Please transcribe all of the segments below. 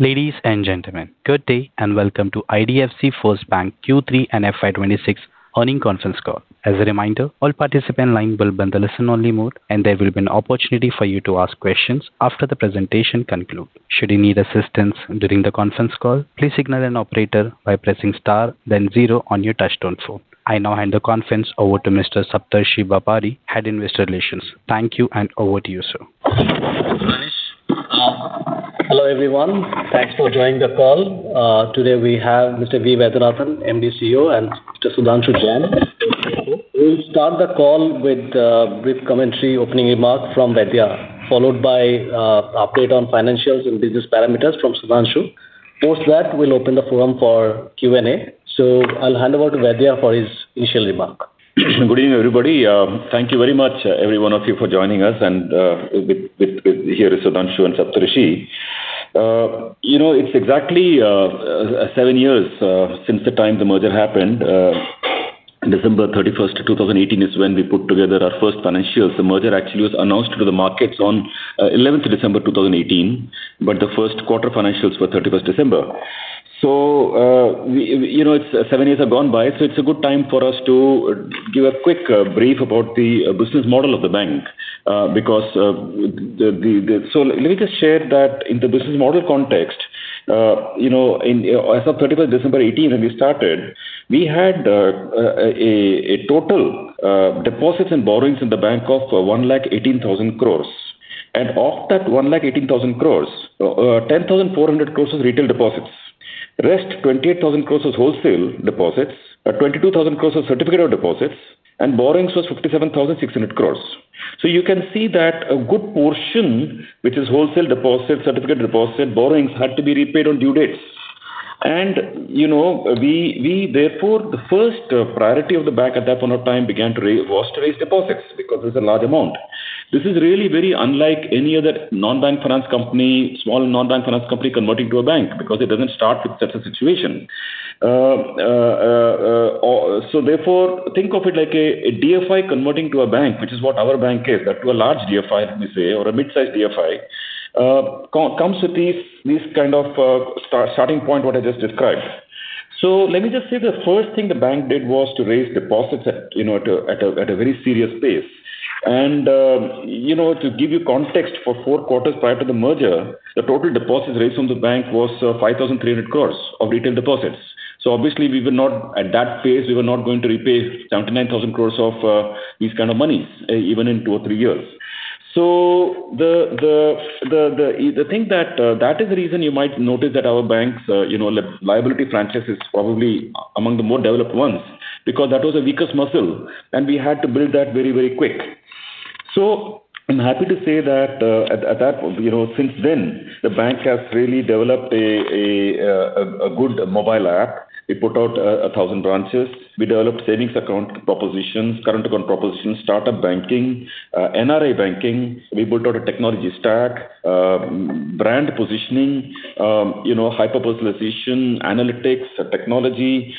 Ladies and gentlemen, good day, and welcome to IDFC FIRST Bank Q3 and FY 2026 earnings conference call. As a reminder, all participant lines will be in the listen-only mode, and there will be an opportunity for you to ask questions after the presentation concludes. Should you need assistance during the conference call, please signal an operator by pressing star then zero on your touchtone phone. I now hand the conference over to Mr. Saptarshi Bapari, Head Investor Relations. Thank you, and over to you, sir. Hello, everyone. Thanks for joining the call. Today we have Mr. V. Vaidyanathan, MD CEO, and Mr. Sudhanshu Jain. We'll start the call with a brief commentary opening remark from Vaidya, followed by update on financials and business parameters from Sudhanshu. Post that, we'll open the forum for Q&A. So, I'll hand over to Vaidya for his initial remark. Good evening, everybody. Thank you very much, every one of you, for joining us, and with here is Sudhanshu and Saptarshi. You know, it's exactly 7 years since the time the merger happened. December 31, 2018, is when we put together our first financials. The merger actually was announced to the markets on 11 December 2018, but the first quarter financials were 31 December. So, you know, it's 7 years have gone by, so it's a good time for us to give a quick brief about the business model of the bank, because the... So let me just share that in the business model context, you know, in as of 31 December 2018, when we started, we had, a, a total, deposits and borrowings in the bank of 118,000 crore. And of that 118,000 crores, 10,400 crores are retail deposits. Rest, 28,000 crores is wholesale deposits, 22,000 crore is certificate of deposits, and borrowings was 57,600 crores. So, you can see that a good portion, which is wholesale deposits, certificate deposit, borrowings, had to be repaid on due dates. And, you know, we, we therefore, the first priority of the bank at that point of time began to raise, was to raise deposits, because it's a large amount. This is really very unlike any other non-bank finance company, small non-bank finance company converting to a bank, because it doesn't start with such a situation. So therefore, think of it like a DFI converting to a bank, which is what our bank is. That to a large DFI, let me say, or a mid-sized DFI, comes with these, these kind of, starting point, what I just described. So, let me just say the first thing the bank did was to raise deposits at, you know, at a very serious pace. And, you know, to give you context, for four quarters prior to the merger, the total deposits raised from the bank was 5,300 crore of retail deposits. So obviously, we were not, at that phase, we were not going to repay 79,000 crore of this kind of money even in two or three years. So, the thing that is the reason you might notice that our banks, you know, liability franchise is probably among the more developed ones, because that was the weakest muscle, and we had to build that very, very quick. So, I'm happy to say that, you know, since then, the bank has really developed a good mobile app. We put out 1,000 branches. We developed savings account propositions, current account propositions, startup banking, NRI banking. We built out a technology stack, brand positioning, you know, hyper-personalization, analytics, technology,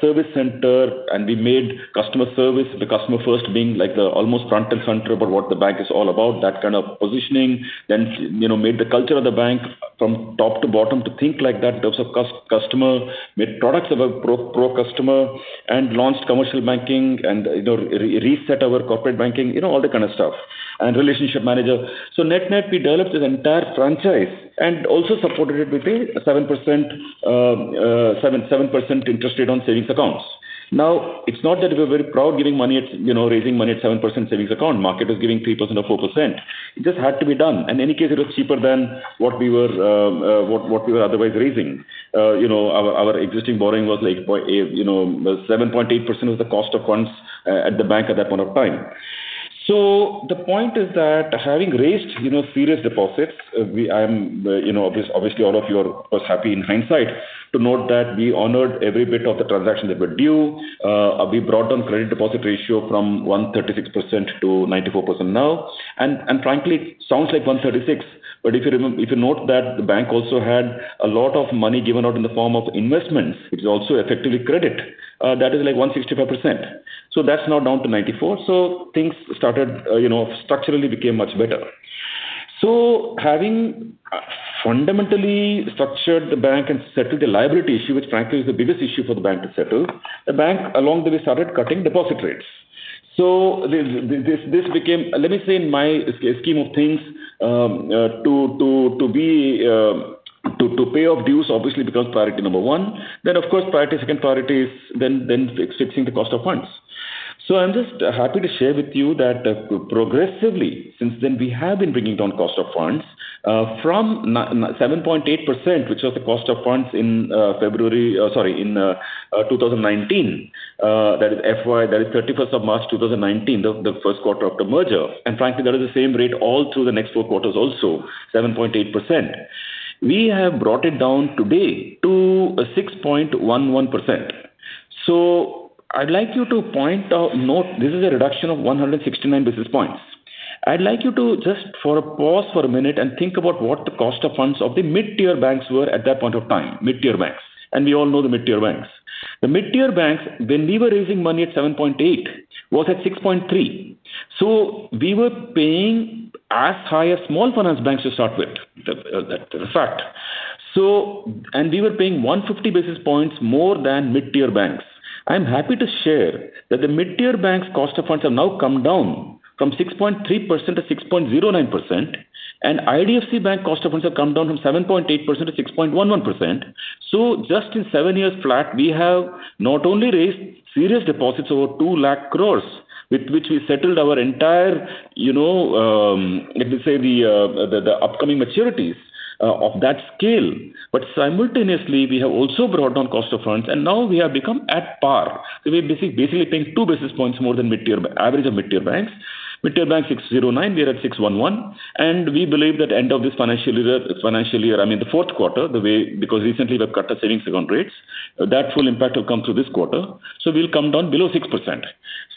service center, and we made customer service, the customer first being like the almost front and center about what the bank is all about, that kind of positioning. Then, you know, made the culture of the bank from top to bottom to think like that in terms of customer, made products of a pro-customer, and launched commercial banking and, you know, reset our corporate banking, you know, all that kind of stuff, and relationship manager. So, net-net, we developed this entire franchise and also supported it with a 7% interest rate on savings accounts. Now, it's not that we're very proud giving money at, you know, raising money at 7% savings account. Market is giving 3% or 4%. It just had to be done. In any case, it was cheaper than what we were otherwise raising. You know, our existing borrowing was like 7.8% was the cost of funds at the bank at that point of time. So, the point is that having raised, you know, serious deposits, we obviously all of you were happy in hindsight to note that we honored every bit of the transaction that were due. We brought down credit deposit ratio from 136% to 94% now. Frankly, it sounds like 136%, but if you note that the bank also had a lot of money given out in the form of investments, which is also effectively credit, that is like 165%. So, that's now down to 94%. So, things started, you know, structurally became much better. So, having fundamentally structured the bank and settled the liability issue, which frankly is the biggest issue for the bank to settle, the bank, along the way, started cutting deposit rates. So, this became... Let me say, in my scheme of things, pay off dues obviously becomes priority number one. Then, of course, second priority is fixing the cost of funds. So, I'm just happy to share with you that, progressively, since then, we have been bringing down cost of funds, from seven point eight percent, which was the cost of funds in February, sorry, in 2019, that is FY, that is 31 of March 2019, the first quarter after merger, and frankly, that is the same rate all through the next four quarters also, 7.8%. We have brought it down today to a 6.11%. So, I'd like you to note, this is a reduction of 169 basis points. I'd like you to just pause for a minute and think about what the cost of funds of the mid-tier banks were at that point of time, mid-tier banks, and we all know the mid-tier banks. The mid-tier banks, when we were raising money at 7.8, was at 6.3. So, we were paying as high as small finance banks to start with, that is a fact. So, and we were paying 150 basis points more than mid-tier banks. I'm happy to share that the mid-tier banks' cost of funds has now come down from 6.3% to 6.09%, and IDFC Bank cost of funds have come down from 7.8% to 6.11%. So just in 7 years flat, we have not only raised serious deposits over 200,000 crore, with which we settled our entire, you know, let me say, the upcoming maturities of that scale. But simultaneously, we have also brought down cost of funds, and now we have become at par. We're basically paying two basis points more than mid-tier, average of mid-tier banks. Mid-tier banks, 609, we are at 611, and we believe that end of this financial year, financial year, I mean, the fourth quarter, the way because recently they've cut the savings account rates, that full impact will come through this quarter, so we'll come down below 6%.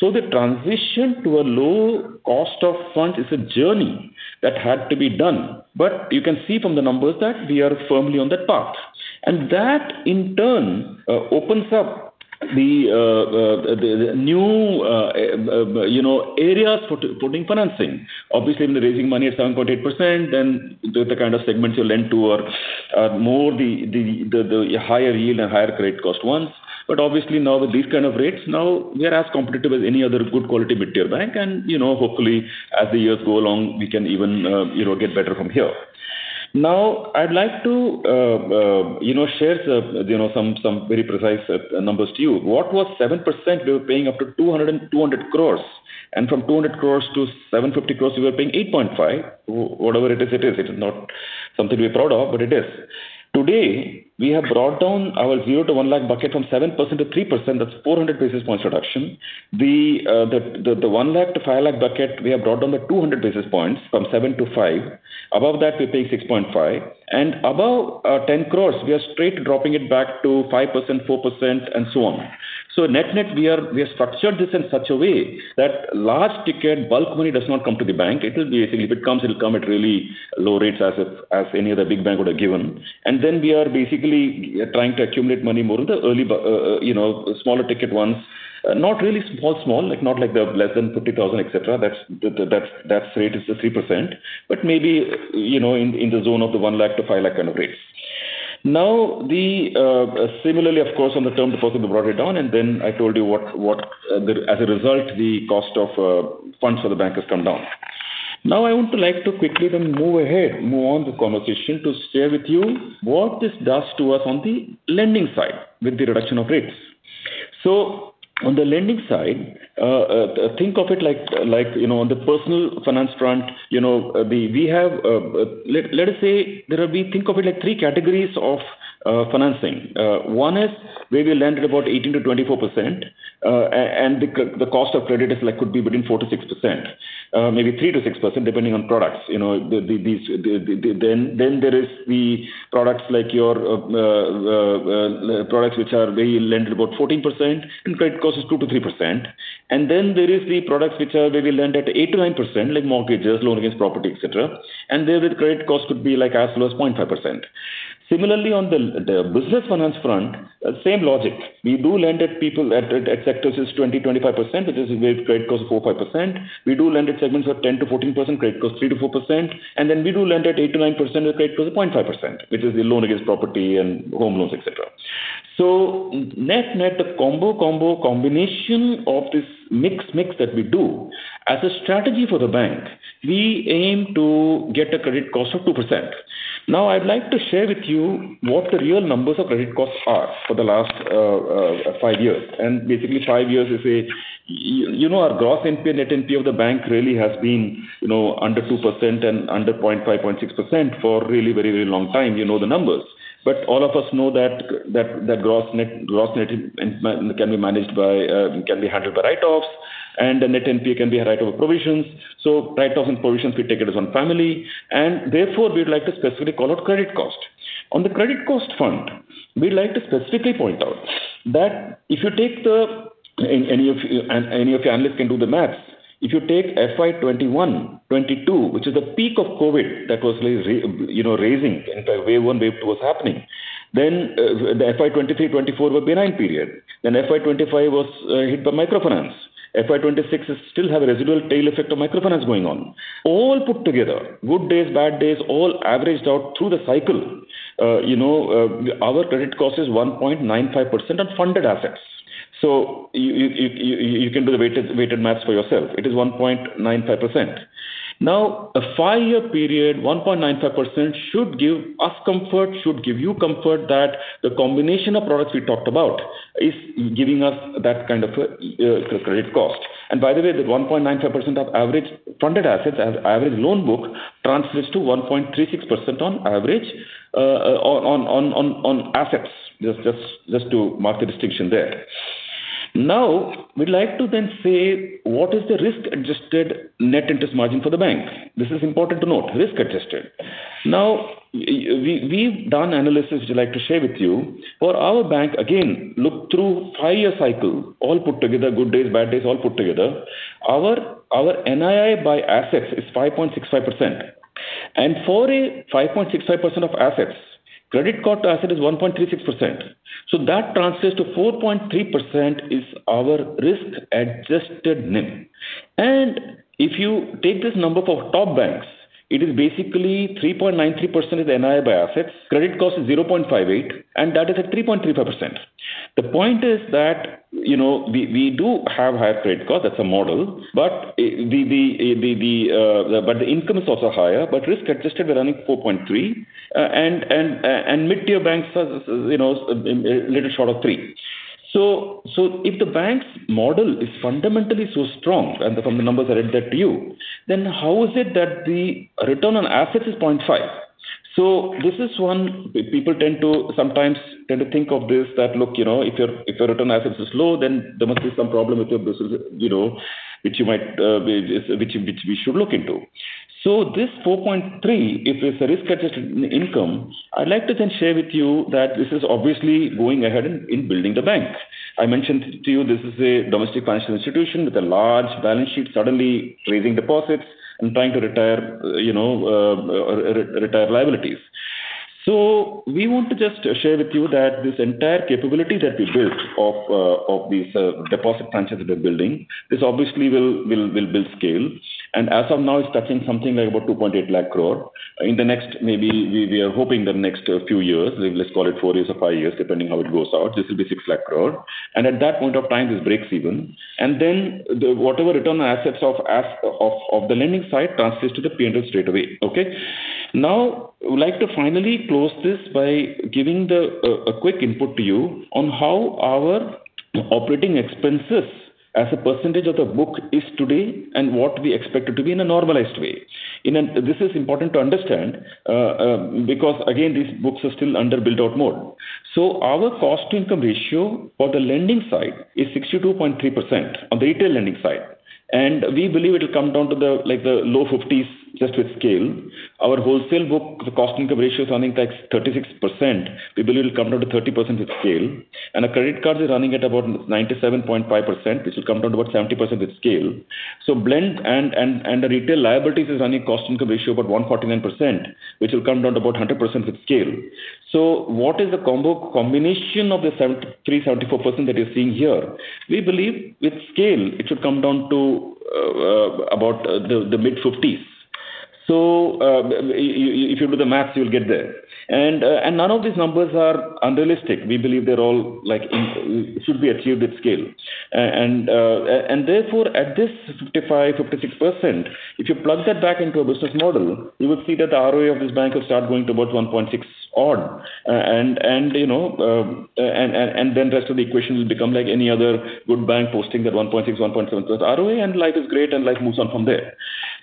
So, the transition to a low cost of funds is a journey that had to be done, but you can see from the numbers that we are firmly on that path. And that, in turn, opens up the, the new, you know, areas for, for doing financing. Obviously, when you're raising money at 7.8%, then the kind of segments you lend to are more the higher yield and higher credit cost ones. But obviously now with these kinds of rates, now we are as competitive as any other good quality mid-tier bank and, you know, hopefully, as the years go along, we can even, you know, get better from here. Now, I'd like to, you know, share some very precise numbers to you. What was 7%, we were paying up to 200 crores, and from 200 crores-750 crores, we were paying 8.5%. Whatever it is, it is. It is not something to be proud of, but it is. Today, we have brought down our 0-1 lakh bucket from 7% to 3%. That's 400-basis points reduction. The 1 lakh to 5 lakh buckets, we have brought down by 200 basis points, from 7 to 5. Above that, we pay 6.5, and above 10 crores, we are straight dropping it back to 5%, 4%, and so on. So, net-net, we have structured this in such a way that large ticket bulk money does not come to the bank. It is, basically, if it comes, it'll come at really low rates as any other big bank would have given. And then we are basically trying to accumulate money more in the early, you know, smaller ticket ones. Not really small, small, like, not like they have less than 50,000, et cetera. That's the rate is the 3%, but maybe, you know, in the zone of the 100,000-500,000 kind of rates. Now, similarly, of course, on the term deposits, we brought it down, and then I told you what the... As a result, the cost of funds for the bank has come down. Now, I want to like to quickly then move ahead, move on the conversation, to share with you what this does to us on the lending side with the reduction of rates. So, on the lending side, think of it like, like, you know, on the personal finance front, you know, we, we have, let us say there are, we think of it like three categories of financing. One is where we lend at about 18%-24%, and the cost of credit is, like, could be between 4%-6%, maybe 3%-6%, depending on products. You know, these, then there are the products like your products which are where you lend about 14%, and credit cost is 2%-3%. Then there are the products which are where we lend at 8%-9%, like mortgages, loan against property, et cetera, and there the credit cost could be, like, as low as 0.5%. Similarly, on the business finance front, same logic. We do lend at sectors 20-25%, which is where credit cost is 4-5%. We do lend at segments of 10%-14%, credit cost 3%-4%. And then we do lend at 8%-9%, with credit cost of 0.5%, which is the loan against property and home loans, et cetera. So, net-net, the combination of this mix that we do, as a strategy for the bank, we aim to get a credit cost of 2%. Now, I'd like to share with you what the real numbers of credit costs are for the last five years, and basically five years is a... You know, our gross NPA, net NPA of the bank really has been, you know, under 2% and under 0.5, 0.6% for really very, very long time. You know the numbers. But all of us know that gross NPA, net NPA can be managed by, can be handled by write-offs, and the net NPA can be a write-off of provisions. So, write-offs and provisions, we take it as one family, and therefore, we'd like to specifically call out credit cost. On the credit cost front, we'd like to specifically point out that if you take, and any of you analysts can do the math, if you take FY 2021, 2022, which is the peak of COVID, that was re- you know, raising, the entire wave one, wave two was happening. Then the FY 2023, 2024 were benign period. Then FY 2025 was hit by microfinance. FY 2026 still have a residual tail effect of microfinance going on. All put together, good days, bad days, all averaged out through the cycle, you know, our credit cost is 1.95% on funded assets. So, you can do the weighted math for yourself. It is 1.95%. Now, a five-year period, 1.95% should give us comfort, should give you comfort, that the combination of products we talked about is giving us that kind of credit cost. And by the way, that 1.95% of average funded assets and average loan book translates to 1.36% on average on assets, just to mark the distinction there. Now, we'd like to then say: What is the risk-adjusted net interest margin for the bank? This is important to note, risk adjusted. Now, we, we've done analysis which I'd like to share with you. For our bank, again, look through five-year cycle, all put together, good days, bad days, all put together, our NII by assets is 5.65%. For a 5.65% of assets, credit cost to asset is 1.36%. So that translates to 4.3% is our risk-adjusted NIM. And if you take this number for top banks, it is basically 3.93% is NII by assets. Credit cost is 0.58, and that is at 3.35%. The point is that, you know, we do have higher credit cost, that's a model, but the income is also higher, but risk-adjusted, we're running 4.3, and mid-tier banks are, you know, a little short of 3. So, if the bank's model is fundamentally so strong, and from the numbers I read that to you, then how is it that the return on assets is 0.5? So, this is one people tend to sometimes tend to think of this, that, look, you know, if your, if your return on assets is low, then there must be some problem with your business, you know, which you might, which we should look into. So, this 4.3, if it's a risk-adjusted income, I'd like to then share with you that this is obviously going ahead in, in building the bank. I mentioned to you this is a domestic financial institution with a large balance sheet, suddenly raising deposits and trying to retire, you know, retire liabilities. So, we want to just share with you that this entire capability that we built of, of these, deposit branches that we're building, this obviously will build scale. And as of now, it's touching something like about 280,000 crore. In the next, maybe we are hoping that next few years, let's call it 4 years or 5 years, depending how it goes out, this will be 600,000 crore. And at that point of time, this breaks even. And then the whatever return on assets of the lending side translates to the P&L straightaway, okay? Now, I would like to finally close this by giving a quick input to you on how our operating expenses as a percentage of the book is today and what we expect it to be in a normalized way. This is important to understand, because, again, these books are still under build-out mode. So, our cost-to-income ratio for the lending side is 62.3%, on the retail lending side. We believe it will come down to, like, the low 50s, just with scale. Our wholesale book, the cost-income ratio is running at, like, 36%. We believe it will come down to 30% with scale. And our credit cards are running at about 97.5%, which will come down to about 70% with scale. So, the blend and the retail liabilities is running cost-income ratio about 149%, which will come down to about 100% with scale. So, what is the combination of the 73%-74% that you're seeing here? We believe with scale, it should come down to about the mid-50s. So, if you do the math, you'll get there. And none of these numbers are unrealistic. We believe they're all, like, should be achieved with scale. And therefore, at this 55-56%, if you plug that back into a business model, you will see that the ROE of this bank will start going to about 1.6 odd. And you know, then the rest of the equation will become like any other good bank posting that 1.6, 1.7+ ROE, and life is great, and life moves on from there.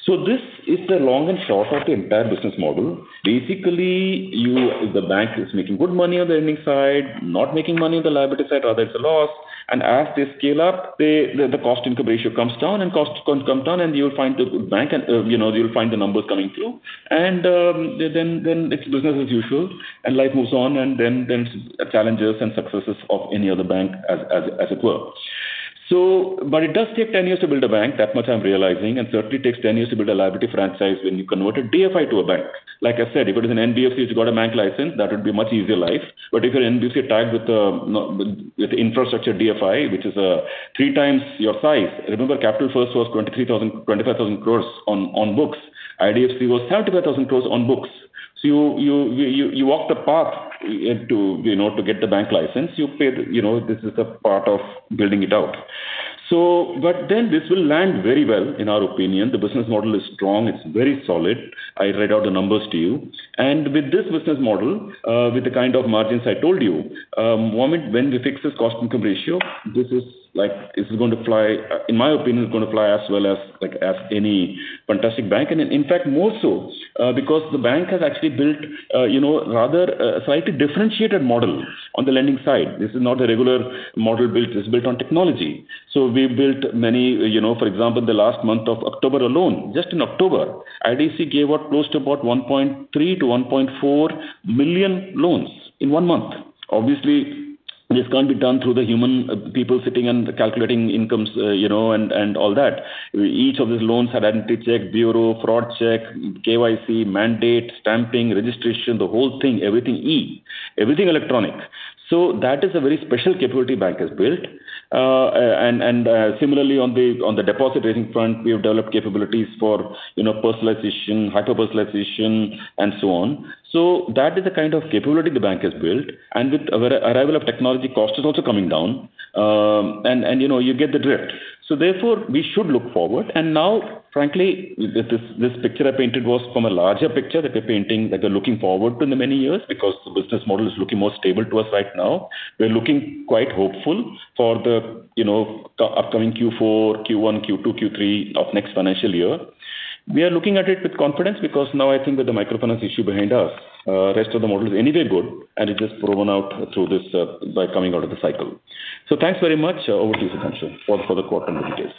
So, this is the long and short of the entire business model. Basically, the bank is making good money on the lending side, not making money on the liability side, rather, it's a loss. And as they scale up, the cost-income ratio comes down and costs come down, and you'll find the good bank and, you know, you'll find the numbers coming through. Then it's business as usual, and life moves on, and then challenges and successes of any other bank as it were. But it does take 10 years to build a bank, that much I'm realizing, and certainly takes 10 years to build a liability franchise when you convert a DFI to a bank. Like I said, if it is an NBFC, you've got a bank license, that would be much easier life. But if you're NBFC tied with infrastructure DFI, which is three times your size, remember, Capital First was 23,000-25,000 crore on books. IDFC was 35,000 crore on books. So, you walk the path into, you know, to get the bank license. You paid, you know, this is a part of building it out. So, but then this will land very well, in our opinion. The business model is strong. It's very solid. I read out the numbers to you. And with this business model, with the kind of margins I told you, moment when we fix this cost-income ratio, this is, like, this is going to fly... In my opinion, it's going to fly as well as, like, as any fantastic bank. And in fact, more so, because the bank has actually built, you know, rather, slightly differentiated model on the lending side. This is not a regular model built. It's built on technology. So we built many, you know, for example, the last month of October alone, just in October, IDFC gave out close to about 1.3-1.4 million loans in one month. Obviously, this can't be done through the human, people sitting and calculating incomes, you know, and, and all that. Each of these loans have identity check, bureau, fraud check, KYC, mandate, stamping, registration, the whole thing, everything electronic. So that is a very special capability bank has built. And similarly, on the deposit raising front, we have developed capabilities for, you know, personalization, hyper-personalization, and so on. So that is the kind of capability the bank has built, and with our arrival of technology, cost is also coming down, and you know, you get the drift. So therefore, we should look forward. Now, frankly, this, this picture I painted was from a larger picture, that we're painting, that we're looking forward to in the many years, because the business model is looking more stable to us right now. We're looking quite hopeful for the, you know, upcoming Q4, Q1, Q2, Q3 of next financial year. We are looking at it with confidence because now I think that the microfinance issue is behind us, rest of the model is anyway good, and it just proven out through this, by coming out of the cycle. Thanks very much. Over to you, Sudhanshu, for the quarter updates.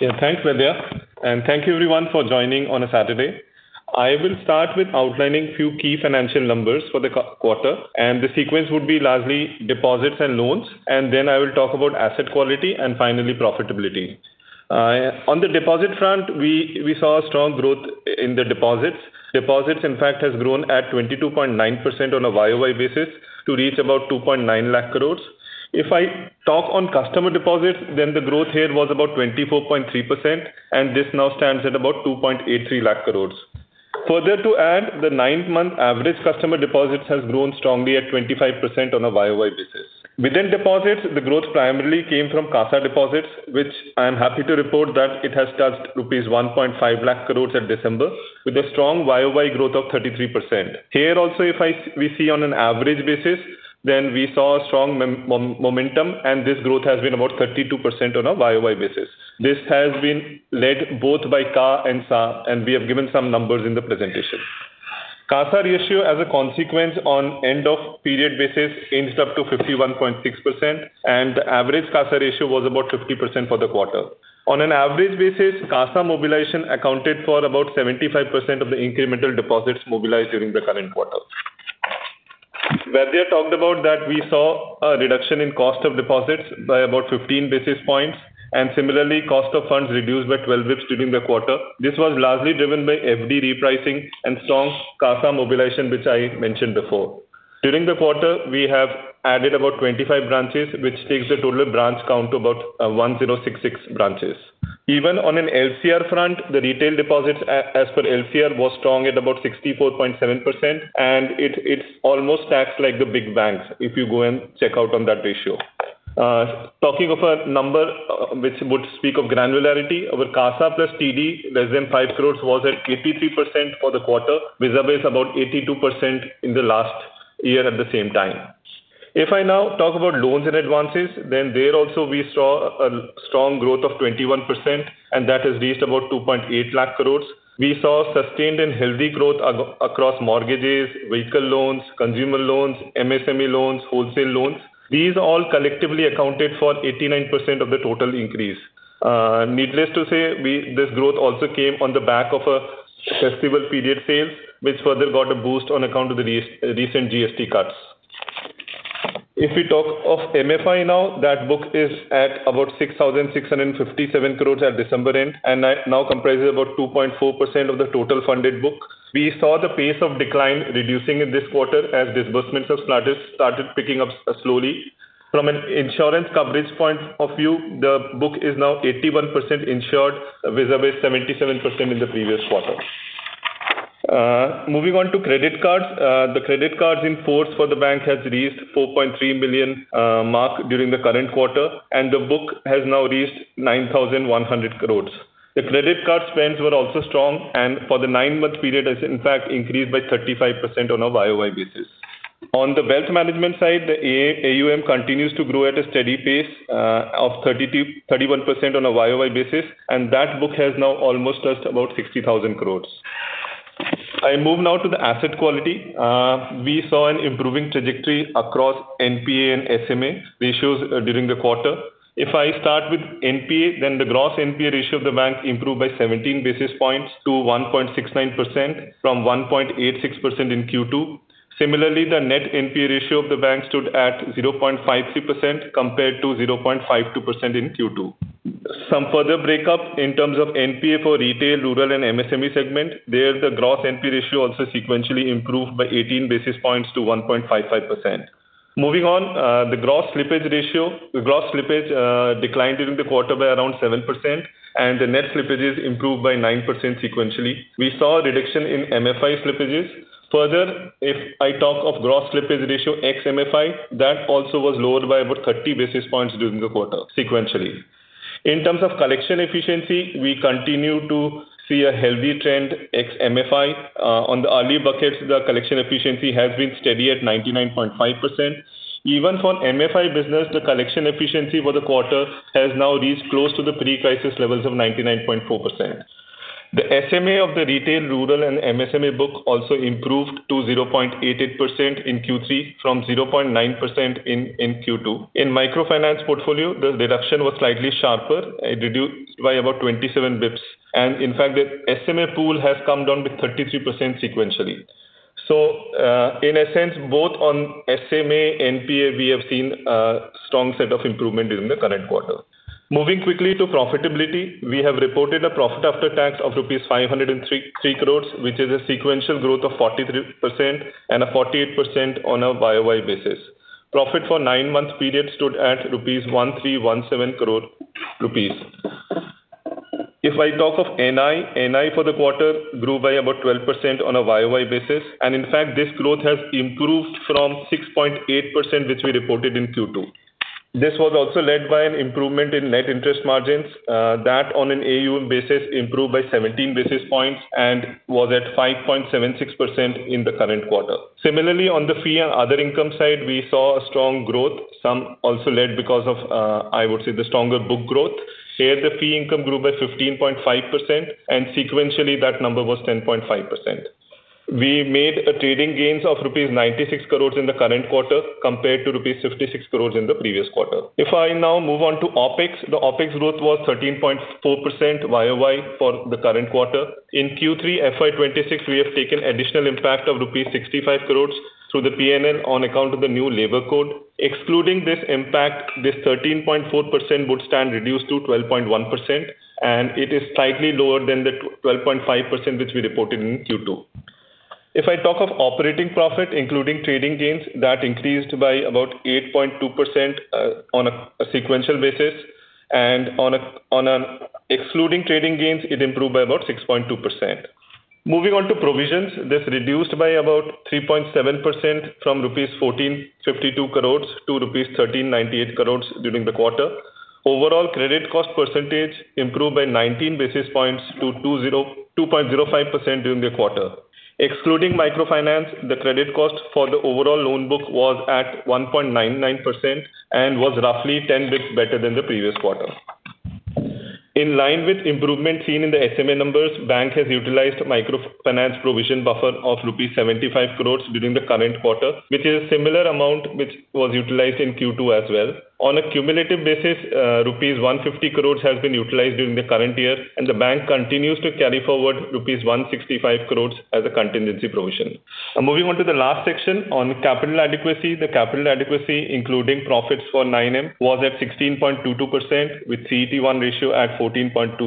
Yeah, thanks, Vaidya. And thank you everyone for joining on a Saturday. I will start with outlining a few key financial numbers for the quarter, and the sequence would be largely deposits and loans, and then I will talk about asset quality, and finally, profitability. On the deposit front, we saw a strong growth in the deposits. Deposits, in fact, has grown at 22.9% on a YOY basis, to reach about 290,000 crore. If I talk on customer deposits, then the growth here was about 24.3%, and this now stands at about 283,000 crore. Further to add, the nine-month average customer deposits has grown strongly at 25% on a YOY basis. Within deposits, the growth primarily came from CASA deposits, which I am happy to report that it has touched rupees 150,000 crore at December, with a strong YOY growth of 33%. Here, also, if we see on an average basis, then we saw a strong momentum, and this growth has been about 32% on a YOY basis. This has been led both by CA and SA, and we have given some numbers in the presentation. CASA ratio, as a consequence, on end of period basis, ended up to 51.6%, and the average CASA ratio was about 50% for the quarter. On an average basis, CASA mobilization accounted for about 75% of the incremental deposits mobilized during the current quarter. Vaidya talked about that we saw a reduction in cost of deposits by about 15 basis points, and similarly, cost of funds reduced by 12 basis points during the quarter. This was largely driven by FD repricing and strong CASA mobilization, which I mentioned before. During the quarter, we have added about 25 branches, which takes the total branch count to about 1,066 branches. Even on an LCR front, the retail deposits as per LCR was strong at about 64.7%, and it almost stacks like the big banks, if you go and check out on that ratio. Talking of a number, which would speak of granularity, our CASA plus TD, less than 5 crore, was at 83% for the quarter, vis-a-vis about 82% in the last year at the same time. If I now talk about loans and advances, then there also we saw a strong growth of 21%, and that has reached about 280,000 crore. We saw sustained and healthy growth across mortgages, vehicle loans, consumer loans, MSME loans, wholesale loans. These all collectively accounted for 89% of the total increase. Needless to say, this growth also came on the back of a festival period sales, which further got a boost on account of the recent GST cuts. If we talk of MFI now, that book is at about 6,657 crore at December end, and now comprises about 2.4% of the total funded book. We saw the pace of decline reducing in this quarter, as disbursements have started picking up slowly. From an insurance coverage point of view, the book is now 81% insured, vis-a-vis 77% in the previous quarter. Moving on to credit cards. The credit cards in force for the bank has reached 4.3 million marks during the current quarter, and the book has now reached 9,100 crores. The credit card spends were also strong, and for the 9-month period, has, in fact, increased by 35% on a YOY basis. On the wealth management side, the AUM continues to grow at a steady pace of 31% on a YOY basis, and that book has now almost touched about 60,000 crores. I move now to the asset quality. We saw an improving trajectory across NPA and SMA ratios during the quarter. If I start with NPA, then the gross NPA ratio of the bank improved by 17 basis points to 1.69% from 1.86% in Q2. Similarly, the net NPA ratio of the bank stood at 0.53% compared to 0.52% in Q2. Some further breakup in terms of NPA for retail, rural, and MSME segment, there, the gross NPA ratio also sequentially improved by 18 basis points to 1.55%. Moving on, the gross slippage ratio. The gross slippage declined during the quarter by around 7%, and the net slippages improved by 9% sequentially. We saw a reduction in MFI slippages. Further, if I talk of gross slippage ratio ex-MFI, that also was lowered by about 30 basis points during the quarter, sequentially. In terms of collection efficiency, we continue to see a healthy trend, ex-MFI. On the early buckets, the collection efficiency has been steady at 99.5%. Even for MFI business, the collection efficiency for the quarter has now reached close to the pre-crisis levels of 99.4%. The SMA of the retail, rural, and MSME book also improved to 0.88% in Q3, from 0.9% in Q2. In microfinance portfolio, the reduction was slightly sharper, it reduced by about 27 basis points, and in fact, the SMA pool has come down by 33% sequentially. So, in a sense, both on SMA, NPA, we have seen a strong set of improvement during the current quarter. Moving quickly to profitability, we have reported a profit after tax of rupees 503.3 crore, which is a sequential growth of 43% and a 48% on a YOY basis. Profit for nine-month period stood at 1,317 crore rupees. If I talk of NII for the quarter grew by about 12% on a YOY basis, and in fact, this growth has improved from 6.8%, which we reported in Q2. This was also led by an improvement in net interest margins that on an AUM basis, improved by 17 basis points and was at 5.76% in the current quarter. Similarly, on the fee and other income side, we saw a strong growth, some also led because of, I would say, the stronger book growth. Here, the fee income grew by 15.5%, and sequentially, that number was 10.5%. We made trading gains of rupees 96 crore in the current quarter, compared to rupees 56 crore in the previous quarter. If I now move on to OpEx, the OpEx growth was 13.4% YOY for the current quarter. In Q3, FY 2026, we have taken additional impact of rupees 65 crore through the P&L on account of the new labor code. Excluding this impact, this 13.4% would stand reduced to 12.1%, and it is slightly lower than the 12.5%, which we reported in Q2. If I talk of operating profit, including trading gains, that increased by about 8.2%, on a sequential basis, and on an excluding trading gains, it improved by about 6.2%. Moving on to provisions, this reduced by about 3.7% from rupees 1,452 crore to rupees 1,398 crore during the quarter. Overall, credit cost percentage improved by 19 basis points to 2.02-2.05% during the quarter. Excluding microfinance, the credit cost for the overall loan book was at 1.99% and was roughly 10 basis points better than the previous quarter. In line with improvement seen in the SMA numbers, bank has utilized microfinance provision buffer of rupees 75 crore during the current quarter, which is a similar amount which was utilized in Q2 as well. On a cumulative basis, rupees 150 crore has been utilized during the current year, and the bank continues to carry forward rupees 165 crore as a contingency provision. Now, moving on to the last section on capital adequacy. The capital adequacy, including profits for 9M, was at 16.22%, with CET1 ratio at 14.23%.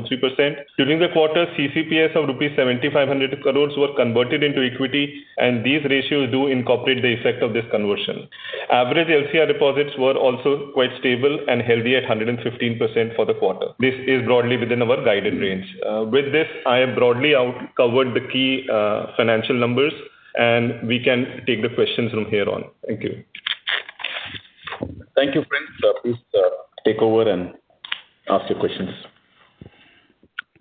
During the quarter, CCPS of rupee 7,500 crore were converted into equity, and these ratios do incorporate the effect of this conversion. Average LCR deposits were also quite stable and healthy at 115% for the quarter. This is broadly within our guided range. With this, I have broadly covered the key financial numbers, and we can take the questions from here on. Thank you. Thank you, friends. Please take over and ask your questions.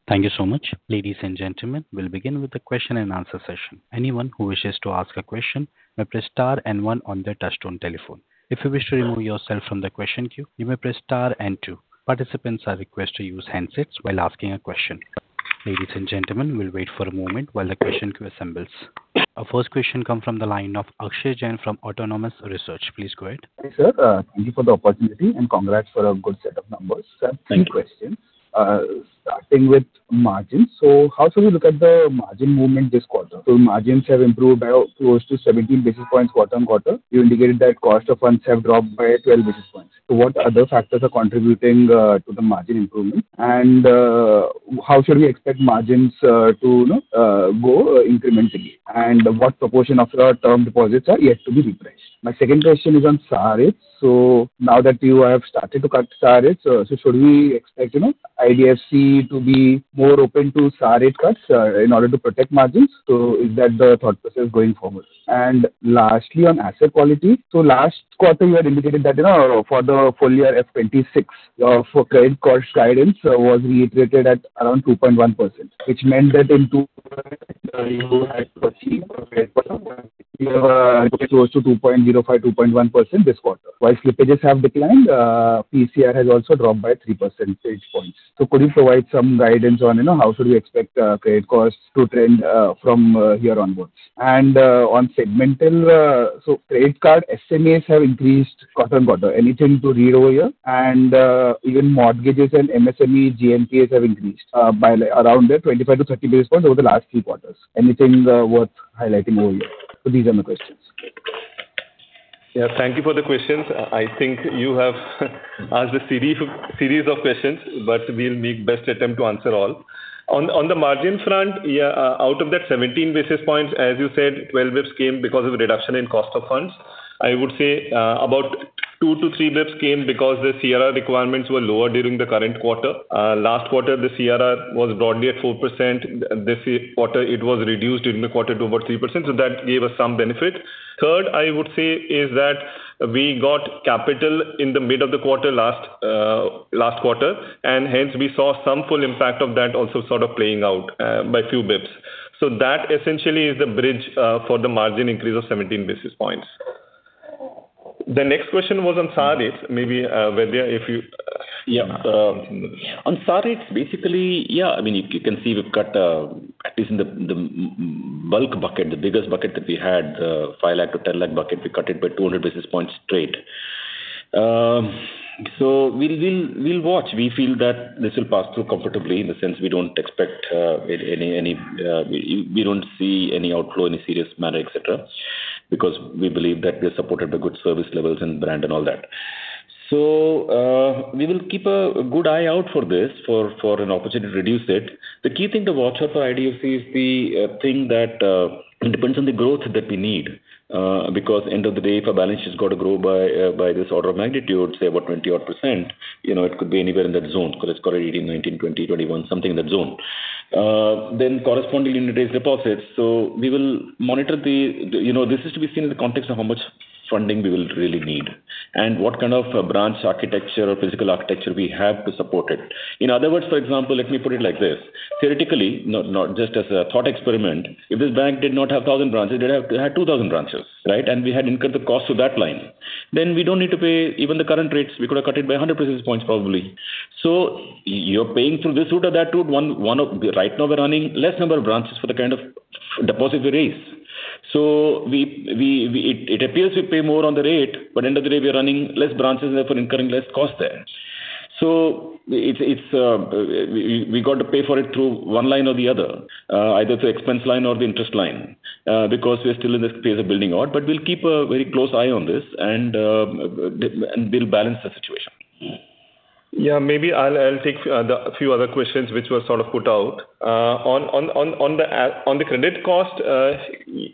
Thank you so much. Ladies and gentlemen, we'll begin with the question and answer session. Anyone who wishes to ask a question may press star and one on their touchtone telephone. If you wish to remove yourself from the question queue, you may press star and two. Participants are requested to use handsets while asking a question. Ladies and gentlemen, we'll wait for a moment while the question queue assembles. Our first question come from the line of Akshay Jain from Autonomous Research. Please go ahead. Hi, sir. Thank you for the opportunity, and congrats for a good set of numbers. Thank you. Two questions. Starting with margins. So how should we look at the margin movement this quarter? So margins have improved by close to 17 basis points quarter on quarter. You indicated that cost of funds have dropped by 12 basis points. So what other factors are contributing to the margin improvement? And how should we expect margins to, you know, go incrementally? And what proportion of your term deposits are yet to be repriced? My second question is on SA rate. So now that you have started to cut SA rates, so should we expect, you know, IDFC to be more open to SA rate cuts in order to protect margins? So is that the thought process going forward? And lastly, on asset quality. So last quarter, you had indicated that, you know, for the full year FY 2026, for credit cost guidance, was reiterated at around 2.1%, which meant that in Q2, close to 2.05-2.1% this quarter. While slippages have declined, PCR has also dropped by three percentage points. So could you provide some guidance on, you know, how should we expect credit costs to trend from here onwards? And, on segmental, so credit card SMAs have increased quarter-on-quarter. Anything to read over here? And, even mortgages and MSME GNPA have increased by, like, around 25-30 basis points over the last three quarters. Anything worth highlighting over here? So these are my questions. Yeah, thank you for the questions. I think you have asked a series of, series of questions, but we'll make best attempt to answer all. On, on the margin front, yeah, out of that 17 basis points, as you said, 12 basis points came because of the reduction in cost of funds. I would say, about 2-3 basis points came because the CRR requirements were lower during the current quarter. Last quarter, the CRR was broadly at 4%. This quarter, it was reduced in the quarter to about 3%, so that gave us some benefit. Third, I would say, is that we got capital in the mid of the quarter last, last quarter, and hence we saw some full impact of that also sort of playing out, by a few bits. So that essentially is the bridge for the margin increase of 17 basis points. The next question was on SA rate. Maybe whether if you- Yeah, on SA rates, basically. Yeah, I mean, you can see we've cut at least in the main bulk bucket, the biggest bucket that we had, 5 lakh-10 lakh bucket, we cut it by 200 basis points straight. So we'll watch. We feel that this will pass through comfortably, in the sense we don't expect any, we don't see any outflow in a serious manner, et cetera, because we believe that we are supported the good service levels and brand and all that. So, we will keep a good eye out for this, for an opportunity to reduce it. The key thing to watch out for IDFC is the thing that it depends on the growth that we need, because end of the day, if our balance has got to grow by this order of magnitude, say about 20-odd%, you know, it could be anywhere in that zone, because it's got 18, 19, 20, 21, something in that zone. Then corresponding in today's deposits. So we will monitor the. You know, this is to be seen in the context of how much funding we will really need and what kind of branch architecture or physical architecture we have to support it. In other words, for example, let me put it like this: theoretically, not just as a thought experiment, if this bank did not have 1,000 branches, it had 2,000 branches, right? And we had incurred the cost of that line, then we don't need to pay even the current rates. We could have cut it by 100 basis points, probably. So you're paying through this route or that route, one or the other, right now we're running less number of branches for the kind of deposits we raise. So it appears we pay more on the rate, but end of the day, we are running less branches, therefore incurring less cost there. So it's we got to pay for it through one line or the other, either through expense line or the interest line, because we are still in this phase of building out. But we'll keep a very close eye on this, and we'll balance the situation. Yeah, maybe I'll take the few other questions which were sort of put out. On the credit cost,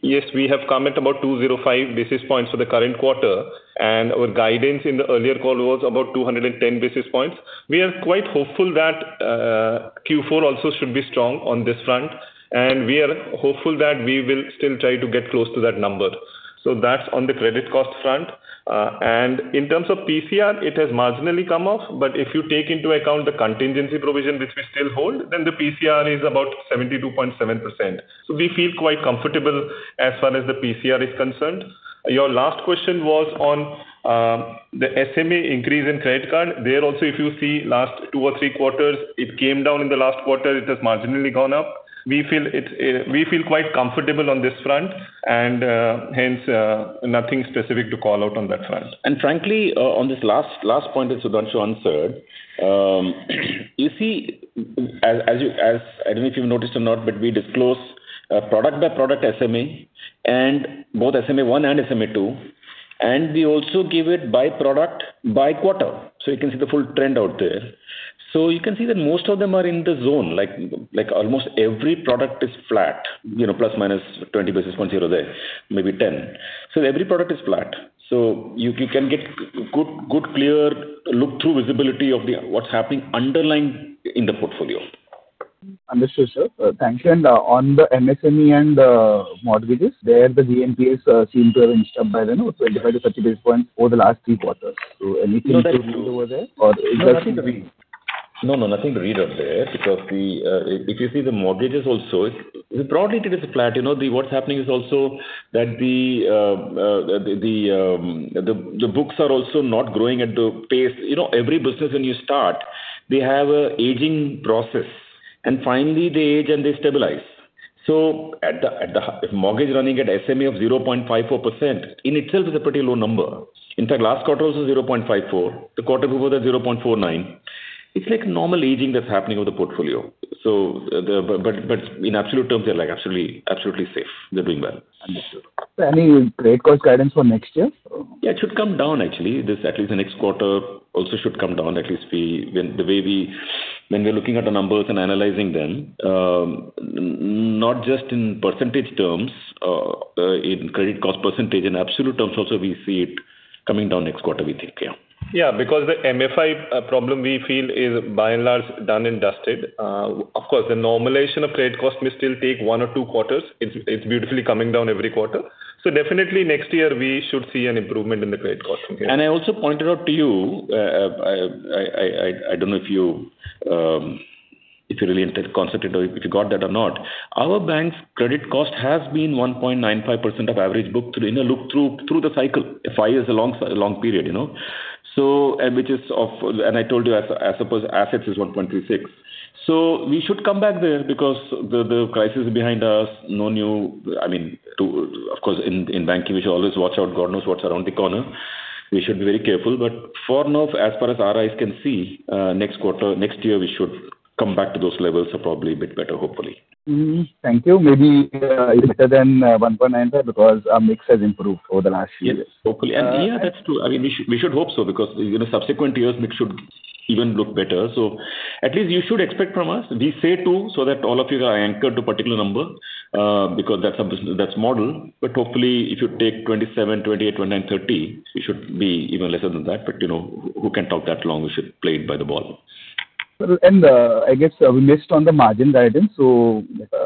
yes, we have come at about 205 basis points for the current quarter, and our guidance in the earlier call was about 210 basis points. We are quite hopeful that Q4 also should be strong on this front, and we are hopeful that we will still try to get close to that number. So that's on the credit cost front. And in terms of PCR, it has marginally come up, but if you take into account the contingency provision which we still hold, then the PCR is about 72.7%. So we feel quite comfortable as far as the PCR is concerned. Your last question was on the SMA increase in credit card. There also, if you see last two or three quarters, it came down in the last quarter, it has marginally gone up. We feel quite comfortable on this front and, hence, nothing specific to call out on that front. Frankly, on this last point that Sudhanshu answered, you see, as you, as I don't know if you've noticed or not, but we disclose product by product SMA, and both SMA one and SMA two, and we also give it by product, by quarter, so you can see the full trend out there. So you can see that most of them are in the zone, like almost every product is flat, you know, plus or minus 20 basis points here or there, maybe 10. So every product is flat, so you can get good clear look through visibility of what's happening underlying in the portfolio. Understood, sir. Thank you. And, on the MSME and, mortgages, there the GNPA seem to have inched up by, you know, 25-30 basis points over the last three quarters. So anything to read over there? Or- No, nothing to read. No, no, nothing to read out there because the, if you see the mortgages also, it's broadly it is flat. You know, what's happening is also that the books are also not growing at the pace. You know, every business when you start, they have an aging process, and finally they age and they stabilize. So, if the mortgage running at SMA of 0.54%, in itself is a pretty low number. In fact, last quarter was also 0.54, the quarter before that, 0.49. It's like normal aging that's happening with the portfolio. So, but in absolute terms, they're, like, absolutely, absolutely safe. They're doing well. Understood. So, any rate cost guidance for next year? Yeah, it should come down actually. This at least the next quarter also should come down. At least we, the way we're looking at the numbers and analyzing them, not just in percentage terms, in credit cost percentage, in absolute terms also, we see it coming down next quarter, we think. Yeah. Yeah, because the MFI problem we feel is by and large done and dusted. Of course, the normalization of credit cost may still take one or two quarters. It's, it's beautifully coming down every quarter. So, definitely next year we should see an improvement in the credit cost. And I also pointed out to you; I don't know if you really concentrated or if you got that or not. Our bank's credit cost has been 1.95% of average book through, in a look through, through the cycle. Five years is a long period, you know? So, and which is of... And I told you, as suppose assets is 1.36. So, we should come back there because the crisis is behind us, no new, I mean, to, of course, in banking, we should always watch out. God knows what's around the corner. We should be very careful, but for now, as far as our eyes can see, next quarter, next year, we should come back to those levels, so, probably a bit better, hopefully. Mm-hmm. Thank you. Maybe even better than 1.95, because our mix has improved over the last few years. Yes, hopefully. Yeah, that's true. I mean, we should, we should hope so, because in the subsequent years, mix should even look better. So, at least you should expect from us, we say 2, so, that all of you are anchored to a particular number, because that's a business, that's model. But hopefully, if you take 27, 28, 29, 30, it should be even lesser than that. But, you know, who can talk that long? We should play it by the ball. Sir, I guess we missed on the margin guidance, so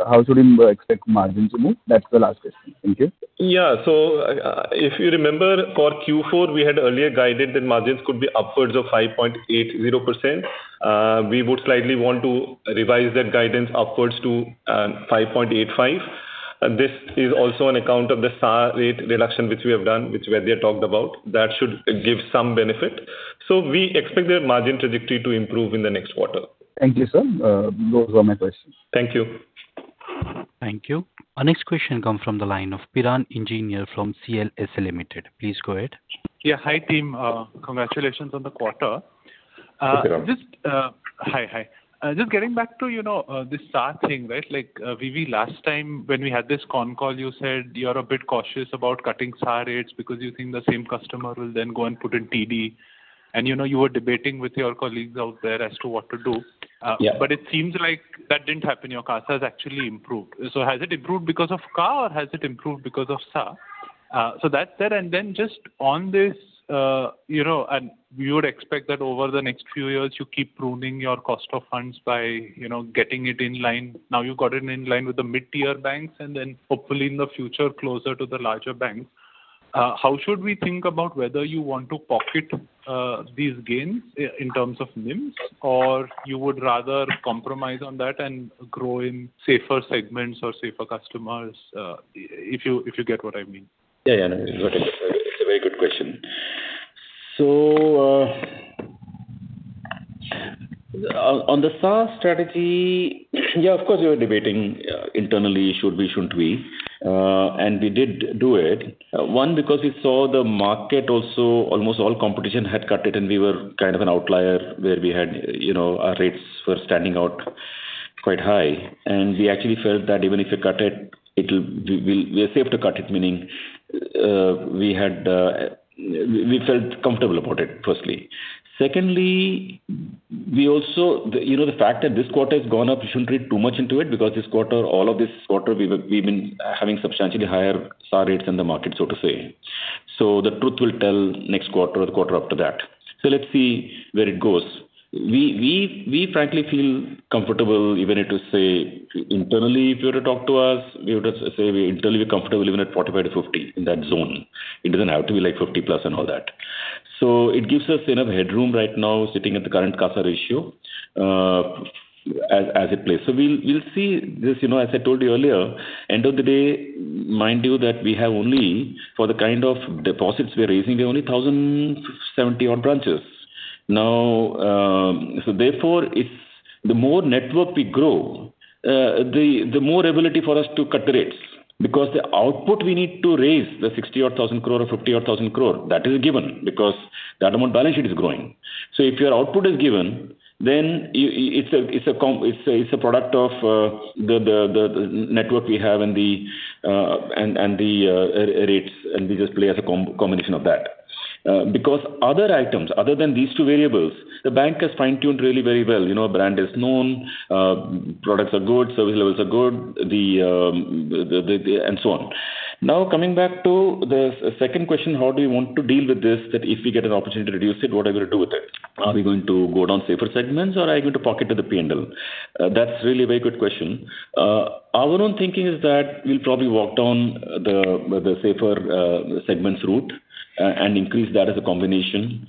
how should we expect margins to move? That's the last question. Thank you. Yeah. So, if you remember for Q4, we had earlier guided that margins could be upwards of 5.80%. We would slightly want to revise that guidance upwards to 5.85. This is also on account of the SA rate reduction, which we have done, which Vaidya talked about. That should give some benefit. So, we expect that margin trajectory to improve in the next quarter. Thank you, sir. Those were my questions. Thank you. Thank you. Our next question come from the line of Piran Engineer from CLSA Limited. Please go ahead. Yeah, hi, team. Congratulations on the quarter. Thank you. Just, hi, hi. Just getting back to, you know, this SA thing, right? Like, V.V., last time when we had this con call, you said you are a bit cautious about cutting SA rates because you think the same customer will then go and put in TD. And, you know, you were debating with your colleagues out there as to what to do. Yeah. But it seems like that didn't happen, your CASA has actually improved. So, has it improved because of CA, or has it improved because of SA? So, that's that, and then just on this, you know, and we would expect that over the next few years, you keep pruning your cost of funds by, you know, getting it in line. Now, you got it in line with the mid-tier banks, and then hopefully in the future, closer to the larger banks. How should we think about whether you want to pocket, these gains in terms of NIMs, or you would rather compromise on that and grow in safer segments or safer customers? If you, if you get what I mean. Yeah, yeah, no, it's a very good question. So, on the SA strategy, yeah, of course, we were debating internally, should we, shouldn't we? And we did do it, one, because we saw the market also, almost all competition had cut it, and we were kind of an outlier where we had, you know, our rates were standing out.... quite high, and we actually felt that even if we cut it, it will, we are safe to cut it, meaning, we had, we felt comfortable about it, firstly. Secondly, we also, the, you know, the fact that this quarter has gone up, you shouldn't read too much into it, because this quarter, all of this quarter, we've been having substantially higher SA rates than the market, so to say. So, the truth will tell next quarter or the quarter after that. So, let's see where it goes. We frankly feel comfortable, even if to say internally, if you were to talk to us, we would just say we're internally comfortable even at 45-50, in that zone. It doesn't have to be like 50+ and all that. So, it gives us enough headroom right now, sitting at the current CASA ratio, as it plays. So, we'll see this, you know, as I told you earlier, end of the day, mind you, that we have only for the kind of deposits we are raising, we have only 1,070-odd branches. Now, so, therefore, it's the more network we grow, the more ability for us to cut the rates. Because the output we need to raise, the 60,000-odd crore or 50,000-odd crore, that is a given, because the amount balance sheet is growing. So, if your output is given, then it's a, it's a product of the network we have and the rates, and we just play as a combination of that. Because other items, other than these two variables, the bank has fine-tuned really very well. You know, brand is known, products are good, service levels are good, and so on. Now, coming back to the second question, how do you want to deal with this? That if we get an opportunity to reduce it, what are we going to do with it? Are we going to go down safer segments or are you going to pocket to the PNL? That's really a very good question. Our own thinking is that we'll probably walk down the safer segments route and increase that as a combination.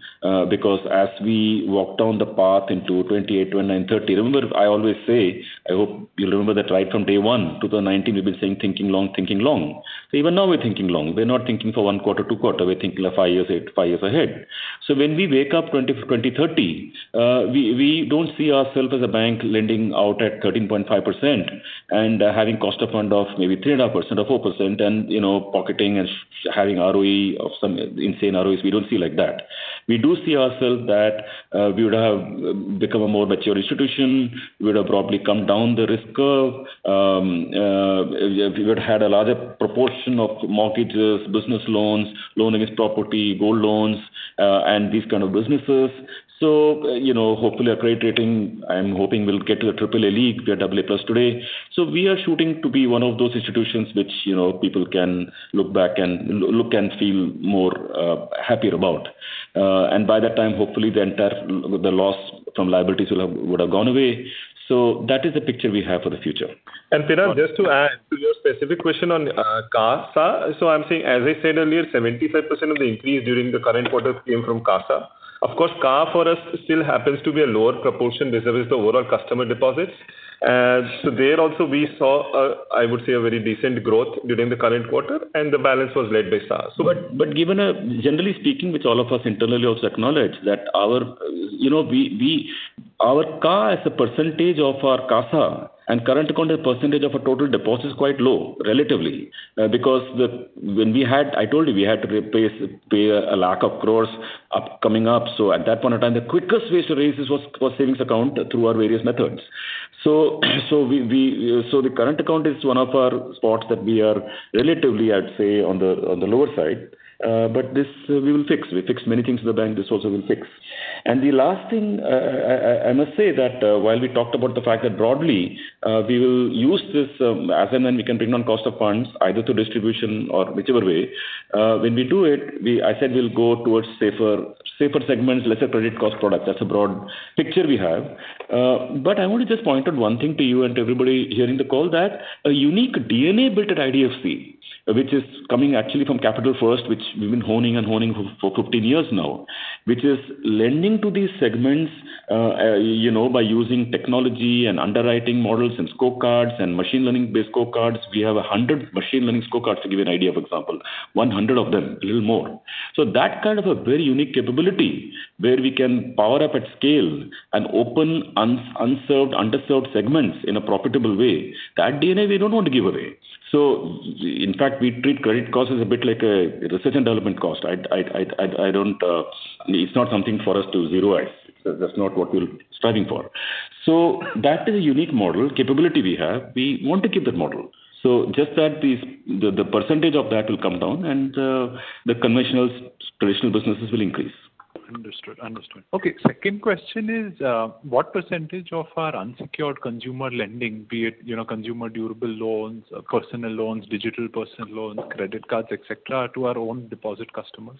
Because as we walk down the path into 2028-2030, remember, I always say, I hope you remember that right from day one, 2019, we've been saying, thinking long, thinking long. So, even now we're thinking long. We're not thinking for one quarter, two quarter. We're thinking of 5 years, 8, 5 years ahead. So, when we wake up 2030, we don't see ourselves as a bank lending out at 13.5% and having cost of funds of maybe 3.5% or 4% and, you know, pocketing and having ROE of some insane ROEs. We don't see like that. We do see ourselves that we would have become a more mature institution. We would have probably come down the risk curve. We would have a larger proportion of mortgages, business loans, loan against property, gold loans, and these kinds of businesses. So, you know, hopefully, a great rating. I'm hoping we'll get to a AAA league. We are AA+ today. So, we are shooting to be one of those institutions which, you know, people can look back and look and feel more happier about. And by that time, hopefully, the entire, the loss from liabilities will have, would have gone away. So, that is the picture we have for the future. Then just to add to your specific question on CASA. So, I'm saying, as I said earlier, 75% of the increase during the current quarter came from CASA. Of course, CASA for us still happens to be a lower proportion versus the overall customer deposits. And so, there also we saw a, I would say, a very decent growth during the current quarter, and the balance was led by CASA. But given, generally speaking, which all of us internally also acknowledge, that our, you know, Our CA as a percentage of our CASA and current account, as percentage of our total deposit, is quite low, relatively. Because when we had, I told you, we had to replace, pay 100,000 crore up, coming up. So, at that point of time, the quickest way to raise this was savings account through our various methods. So, the current account is one of our spots that we are relatively, I'd say, on the lower side. But this we will fix. We fix many things in the bank, this also we'll fix. And the last thing, I must say that, while we talked about the fact that broadly, we will use this, as and when we can bring down cost of funds, either through distribution or whichever way, when we do it, we, I said we'll go towards safer, safer segments, lesser credit cost products. That's a broad picture we have. But I want to just point out one thing to you and everybody hearing the call, that a unique DNA built at IDFC, which is coming actually from Capital First, which we've been honing and honing for 15 years now, which is lending to these segments, you know, by using technology and underwriting models and scorecards and machine learning-based scorecards. We have 100 machine learning scorecards to give you an idea, for example, 100 of them, a little more. So, that kind of a very unique capability, where we can power up at scale and open unserved, underserved segments in a profitable way, that DNA, we don't want to give away. So, in fact, we treat credit costs as a bit like a research and development cost. I don't, it's not something for us to zeroize. That's not what we're striving for. So, that is a unique model capability we have. We want to keep that model. So, just that the percentage of that will come down and, the conventional traditional businesses will increase. Understood. Understood. Okay, second question is, what percentage of our unsecured consumer lending, be it, you know, consumer durable loans, personal loans, digital personal loans, credit cards, et cetera, to our own deposit customers?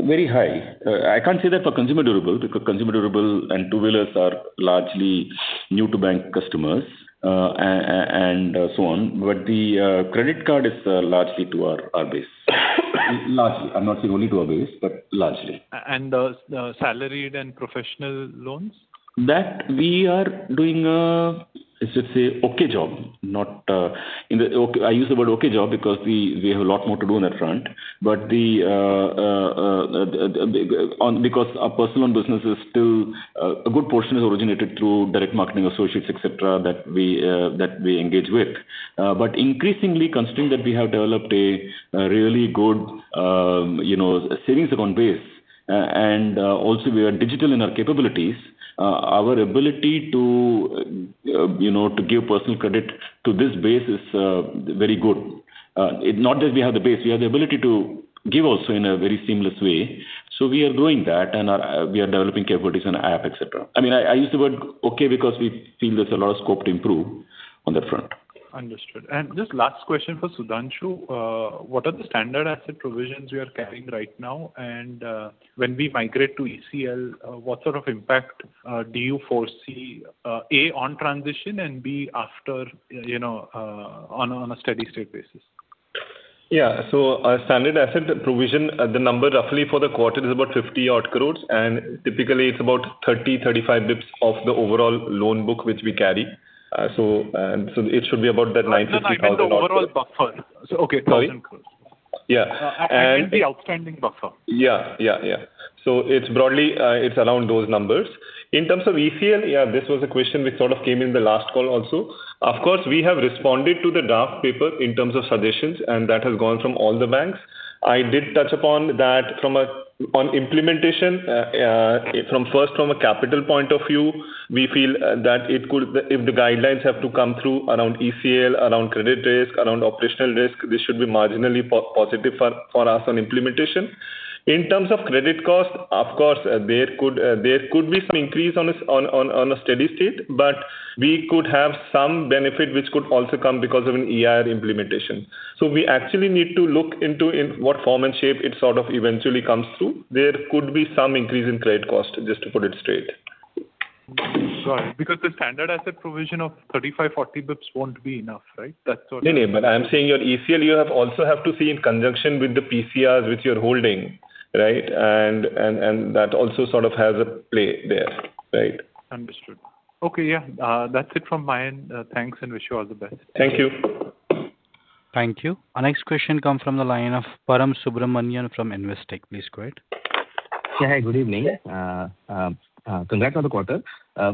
Very high. I can't say that for consumer durable, because consumer durable and two-wheelers are largely new to bank customers, and so on. But the credit card is largely to our base. Largely, I'm not saying only to our base, but largely. And, salaried and professional loans? That we are doing a, I should say, okay job, not in the... Okay, I use the word okay job because we, we have a lot more to do on that front. But the on, because our personal loan business is still a good portion originated through direct marketing associates, et cetera, that we, that we engage with. But increasingly constrained that we have developed a, a really good, you know, savings account base... and also, we are digital in our capabilities. Our ability to, you know, to give personal credit to this base is very good. It's not that we have the base, we have the ability to give also in a very seamless way. So, we are doing that, and our, we are developing capabilities on app, et cetera. I mean, I use the word okay, because we feel there's a lot of scope to improve on that front. Understood. Just last question for Sudhanshu. What are the standard asset provisions you are carrying right now? When we migrate to ECL, what sort of impact do you foresee, A, on transition and B, after, you know, on a steady state basis? Yeah. So, our standard asset provision, the number roughly for the quarter is about 50-odd crore, and typically it's about 30-35 basis points of the overall loan book, which we carry. So, and so it should be about that 19,000- No, I meant the overall buffer. So, okay, sorry. Yeah, and- The outstanding buffer. Yeah, yeah, yeah. So, it's broadly, it's around those numbers. In terms of ECL, yeah, this was a question which sort of came in the last call also. Of course, we have responded to the draft paper in terms of suggestions, and that has gone from all the banks. I did touch upon that from a... On implementation, from a capital point of view, we feel that it could, if the guidelines have to come through around ECL, around credit risk, around operational risk, this should be marginally positive for us on implementation. In terms of credit cost, of course, there could be some increase on a steady state, but we could have some benefit which could also come because of an EIR implementation. We actually need to look into in what form and shape it sort of eventually comes through. There could be some increase in credit cost, just to put it straight. Got it. Because the standard asset provision of 35-40 basis points won't be enough, right? That's what- No, but I'm saying your ECL, you also have to see in conjunction with the PCRs which you're holding, right? And that also sort of has a play there, right? Understood. Okay, yeah. That's it from my end. Thanks and wish you all the best. Thank you. Thank you. Our next question comes from the line of Param Subramanian from Investec. Please go ahead. Yeah, hi, good evening. Congrats on the quarter.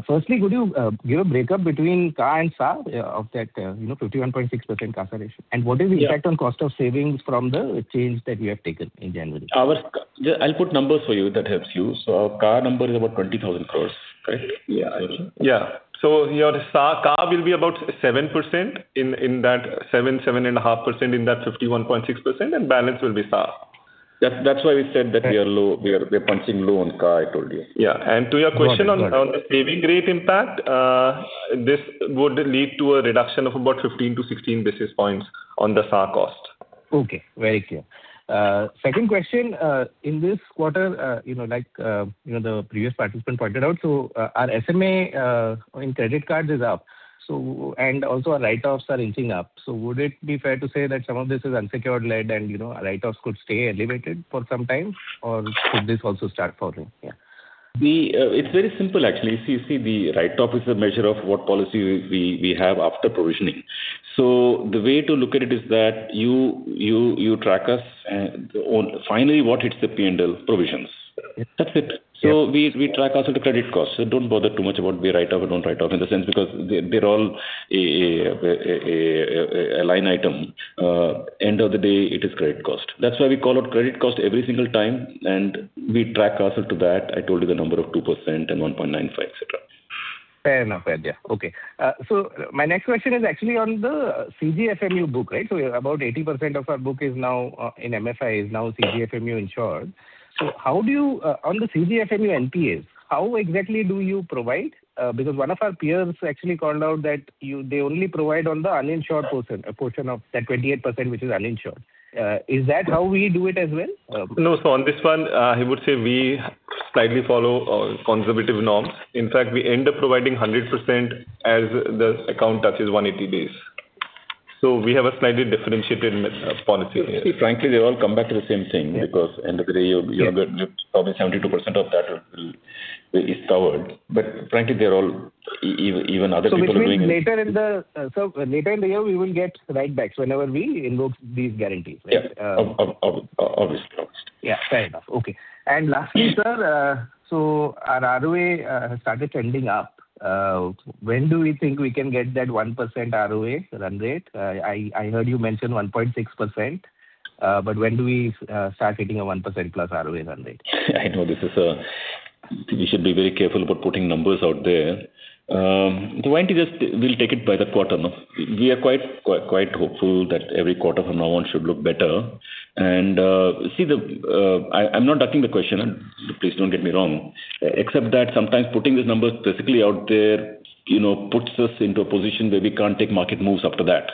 Firstly, could you give a breakup between CA and SA of that, you know, 51.6% CASA ratio? Yeah. What is the impact on cost of savings from the change that you have taken in January? Yeah, I'll put numbers for you if that helps you. So, our CA number is about 20,000 crores, right? Yeah. Yeah. So, your SA, CA will be about 7% in that 7-7.5% in that 51.6%, and balance will be SA. That's why we said that we are low, we are punching low on CA, I told you. Yeah. And to your question on the savings rate impact, this would lead to a reduction of about 15-16 basis points on the CASA cost. Okay, very clear. Second question, in this quarter, you know, like, you know, the previous participant pointed out, so, our SMA in credit cards is up, so, and also our write-offs are inching up. So, would it be fair to say that some of this is unsecured lending and, you know, our write-offs could stay elevated for some time? Or should this also start falling? Yeah. It's very simple actually. See, the write-off is a measure of what policy we have after provisioning. So, the way to look at it is that you track us and on... Finally, what hits the P&L? Provisions. That's it. So, we track also the credit cost. So, don't bother too much about we write off or don't write off, in the sense, because they're all a line item. End of the day, it is credit cost. That's why we call out credit cost every single time, and we track ourselves to that. I told you the number of 2% and 1.95%, et cetera. Fair enough. Fair, yeah. Okay. So, my next question is actually on the CGFMU book, right? So, about 80% of our book is now in MFI, is now CGFMU insured. So, how do you on the CGFMU NPAs, how exactly do you provide? Because one of our peers actually called out that you, they only provide on the uninsured portion, a portion of that 28% which is uninsured. Is that how we do it as well? No. So on this one, I would say we slightly follow conservative norms. In fact, we end up providing 100% as the account touches 180 days. So, we have a slightly differentiated policy here. See, frankly, they all come back to the same thing- Yeah. at the end of the day, you probably 72% of that will is covered. But frankly, they're all even other people doing it. So, this means later in the year, we will get write backs whenever we invoke these guarantees, right? Yeah. Obviously. Yeah, fair enough. Okay. And lastly, sir, so our ROA started trending up. When do we think we can get that 1% ROA run rate? I heard you mention 1.6%, but when do we start getting a 1%+ ROA run rate? I know this is a... We should be very careful about putting numbers out there. Why don't you just—we'll take it by the quarter, no? We are quiet, quite hopeful that every quarter from now on should look better. And see the, I, I'm not ducking the question, and please don't get me wrong. Except that sometimes putting these numbers specifically out there, you know, puts us into a position where we can't take market moves up to that.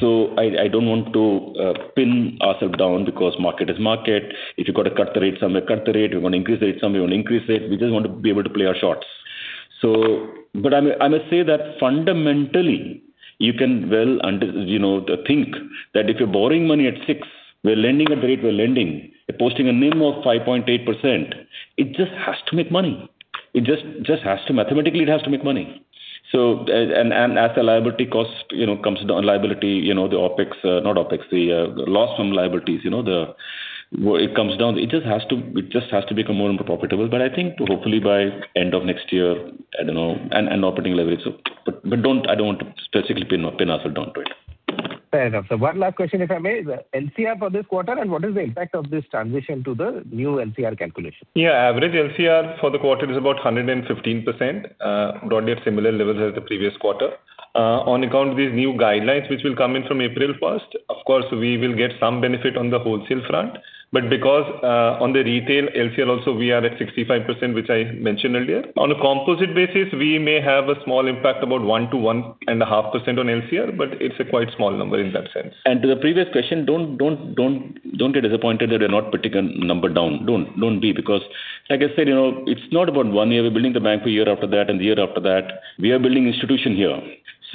So, I don't want to, pin ourselves down because market is market. If you've got to cut the rate somewhere, cut the rate. If you want to increase the rate somewhere, you want to increase rate. We just want to be able to play our shots. So, but I must say that fundamentally, you can well under- you know, think that if you're borrowing money at 6, we're lending at the rate we're lending, we're posting a NIM of 5.8%, it just has to make money. It just has to, mathematically, it has to make money. So, and as the liability cost, you know, comes down, liability, you know, the OpEx, not OpEx, the loss from liabilities, you know, the - it comes down. It just has to, it just has to become more and more profitable, but I think hopefully by end of next year, I don't know, and operating leverage. So, but don't, I don't want to specifically pin ourselves down to it.... Fair enough, sir. One last question, if I may, the LCR for this quarter, and what is the impact of this transition to the new LCR calculation? Yeah, average LCR for the quarter is about 115%, broadly at similar levels as the previous quarter. On account of these new guidelines, which will come in from April first, of course, we will get some benefit on the wholesale front, but because, on the retail, LCR also, we are at 65%, which I mentioned earlier. On a composite basis, we may have a small impact, about 1%-1.5% on LCR, but it's a quite small number in that sense. And to the previous question, don't, don't, don't, don't get disappointed that we're not putting a number down. Don't, don't be, because like I said, you know, it's not about one year. We're building the bank for year after that and the year after that. We are building institution here.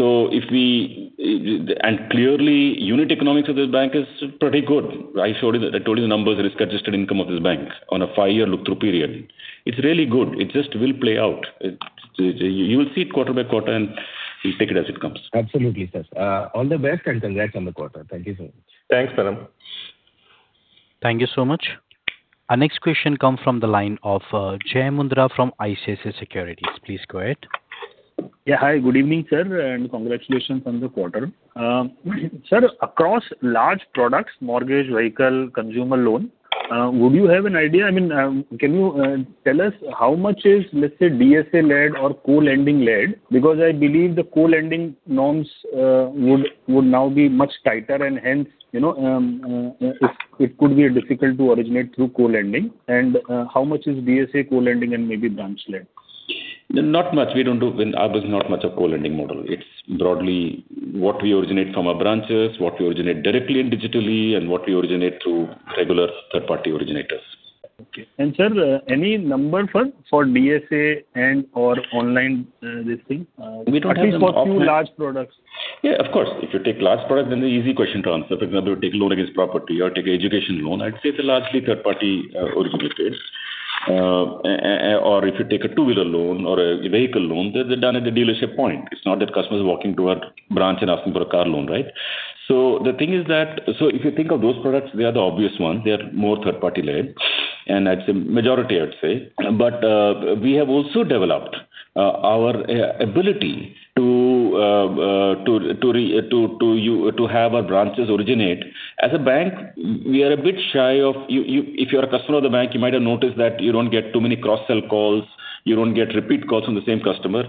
So if we, and clearly, unit economics of this bank is pretty good. I showed you, I told you the numbers, risk-adjusted income of this bank on a five-year look-through period. It's really good. It just will play out. You will see it quarter by quarter, and we'll take it as it comes. Absolutely, sir. All the best and congrats on the quarter. Thank you so much. Thanks, Param. Thank you so much. Our next question comes from the line of Jai Mundra from ICICI Securities. Please go ahead. Yeah. Hi, good evening, sir, and congratulations on the quarter. Sir, across large products, mortgage, vehicle, consumer loan, would you have an idea? I mean, can you tell us how much is, let's say, DSA-led or co-lending-led? Because I believe the co-lending norms would now be much tighter and hence, you know, it could be difficult to originate through co-lending. And how much is DSA, co-lending, and maybe branch-led? Not much. We don't do, our business is not much a co-lending model. It's broadly what we originate from our branches, what we originate directly and digitally, and what we originate through regular third-party originators. Okay. And, sir, any number for DSA and/or online, this thing? We don't have any- At least for few large products. Yeah, of course. If you take large products, then the easy question to answer. For example, take a loan against property or take an education loan, I'd say it's largely third-party originators. And or if you take a two-wheeler loan or a vehicle loan, they're done at the dealership point. It's not that customers are walking to our branch and asking for a car loan, right? So, the thing is that, so, if you think of those products, they are the obvious ones. They are more third-party led, and I'd say, majority, I'd say. But we have also developed our ability to have our branches originate. As a bank, we are a bit shy of you, you... If you're a customer of the bank, you might have noticed that you don't get too many cross-sell calls, you don't get repeat calls from the same customer.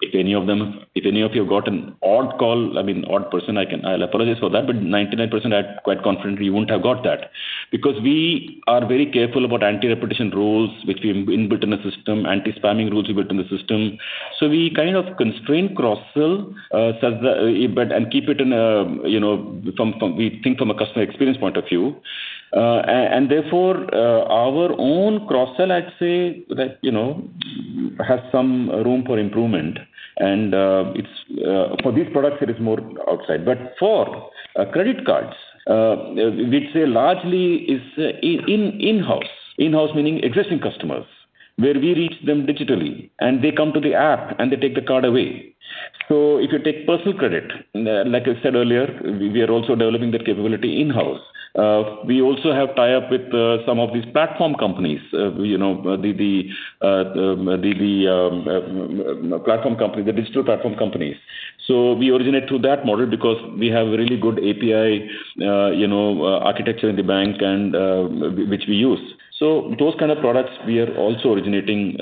If any of them, if any of you have got an odd call, I mean, odd person, I can, I'll apologize for that, but 99%, I'm quite confident you won't have got that. Because we are very careful about anti-repetition rules, which we've inbuilt in the system, anti-spamming rules we built in the system. So, we kind of constrain cross-sell, so that, but, and keep it in a, you know, from, we think from a customer experience point of view. And therefore, our own cross-sell, I'd say, that, you know, has some room for improvement, and it's, for these products, it is more outside. But for credit cards, we'd say largely is in-house. In-house meaning existing customers, where we reach them digitally, and they come to the app, and they take the card away. So, if you take personal credit, like I said earlier, we are also developing that capability in-house. We also have tie-up with some of these platform companies, you know, the platform company, the digital platform companies. So, we originate through that model because we have a really good API, you know, architecture in the bank and which we use. So those kinds of products, we are also originating,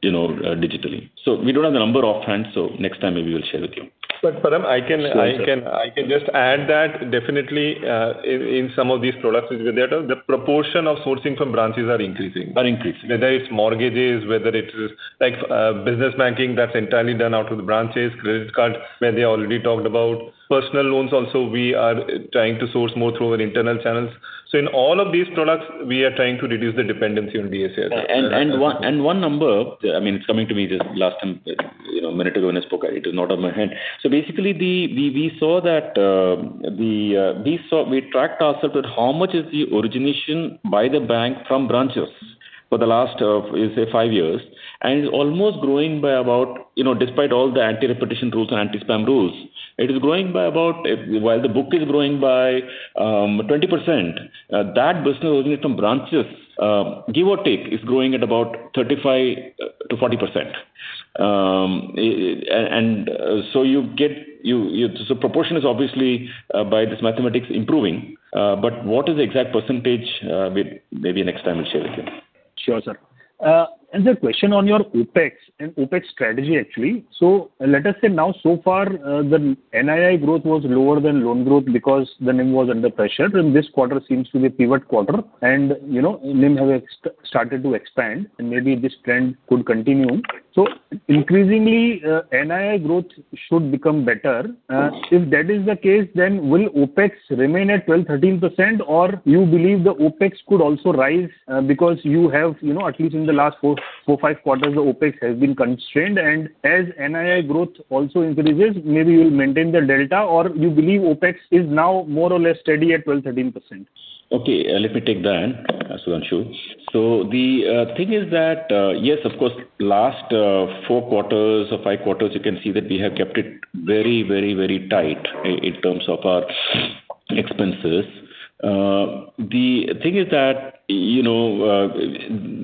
you know, digitally. So, we don't have the number offhand, so next time maybe we'll share with you. But, Param, I can- Sure, sir. I can, I can just add that definitely, in some of these products, which we had, the proportion of sourcing from branches are increasing. Are increasing. Whether it's mortgages, whether it is, like, business banking, that's entirely done out of the branches, credit cards, where they already talked about. Personal loans also, we are trying to source more through our internal channels. So, in all of these products, we are trying to reduce the dependency on DSA. One number, I mean, it's coming to me just last time, you know, a minute ago when I spoke, it is not on my hand. So basically, we saw that we tracked ourselves with how much is the origination by the bank from branches for the last, we say five years, and it's almost growing by about, you know, despite all the anti-repetition rules and anti-spam rules, it is growing by about, while the book is growing by, 20%, that business originated from branches, give or take, is growing at about 35%-40%. And so you get, so proportion is obviously, by this mathematics, improving. But what is the exact percentage? Maybe next time we'll share with you. Sure, sir. And the question on your OpEx and OpEx strategy, actually. So, let us say now, so far, the NII growth was lower than loan growth because the NIM was under pressure, and this quarter seems to be a pivot quarter. And, you know, NIM have started to expand, and maybe this trend could continue. So increasingly, NII growth should become better. If that is the case, then will OpEx remain at 12%-13%, or you believe the OpEx could also rise? Because you have, you know, at least in the last 4-5 quarters, the OpEx has been constrained, and as NII growth also increases, maybe you'll maintain the delta, or you believe OpEx is now more or less steady at 12%-13%? Okay, let me take that, Akshay. So, the thing is that, yes, of course, last 4 quarters or 5 quarters, you can see that we have kept it very, very, very tight in terms of our expenses. The thing is that, you know,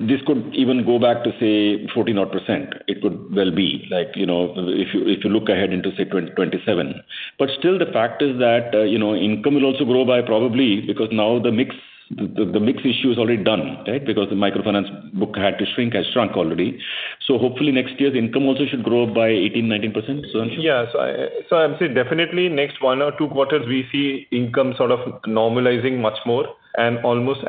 this could even go back to, say, 14 odds %. It could well be, like, you know, if you look ahead into, say, 2027. But still, the fact is that, you know, income will also grow by probably, because now the mix, the mix issue is already done, right? Because the microfinance book had to shrink, has shrunk already. So, hopefully next year's income also should grow by 18%-19%. So- Yes. So, I would say definitely next one or two quarters, we see income sort of normalizing much more, and almost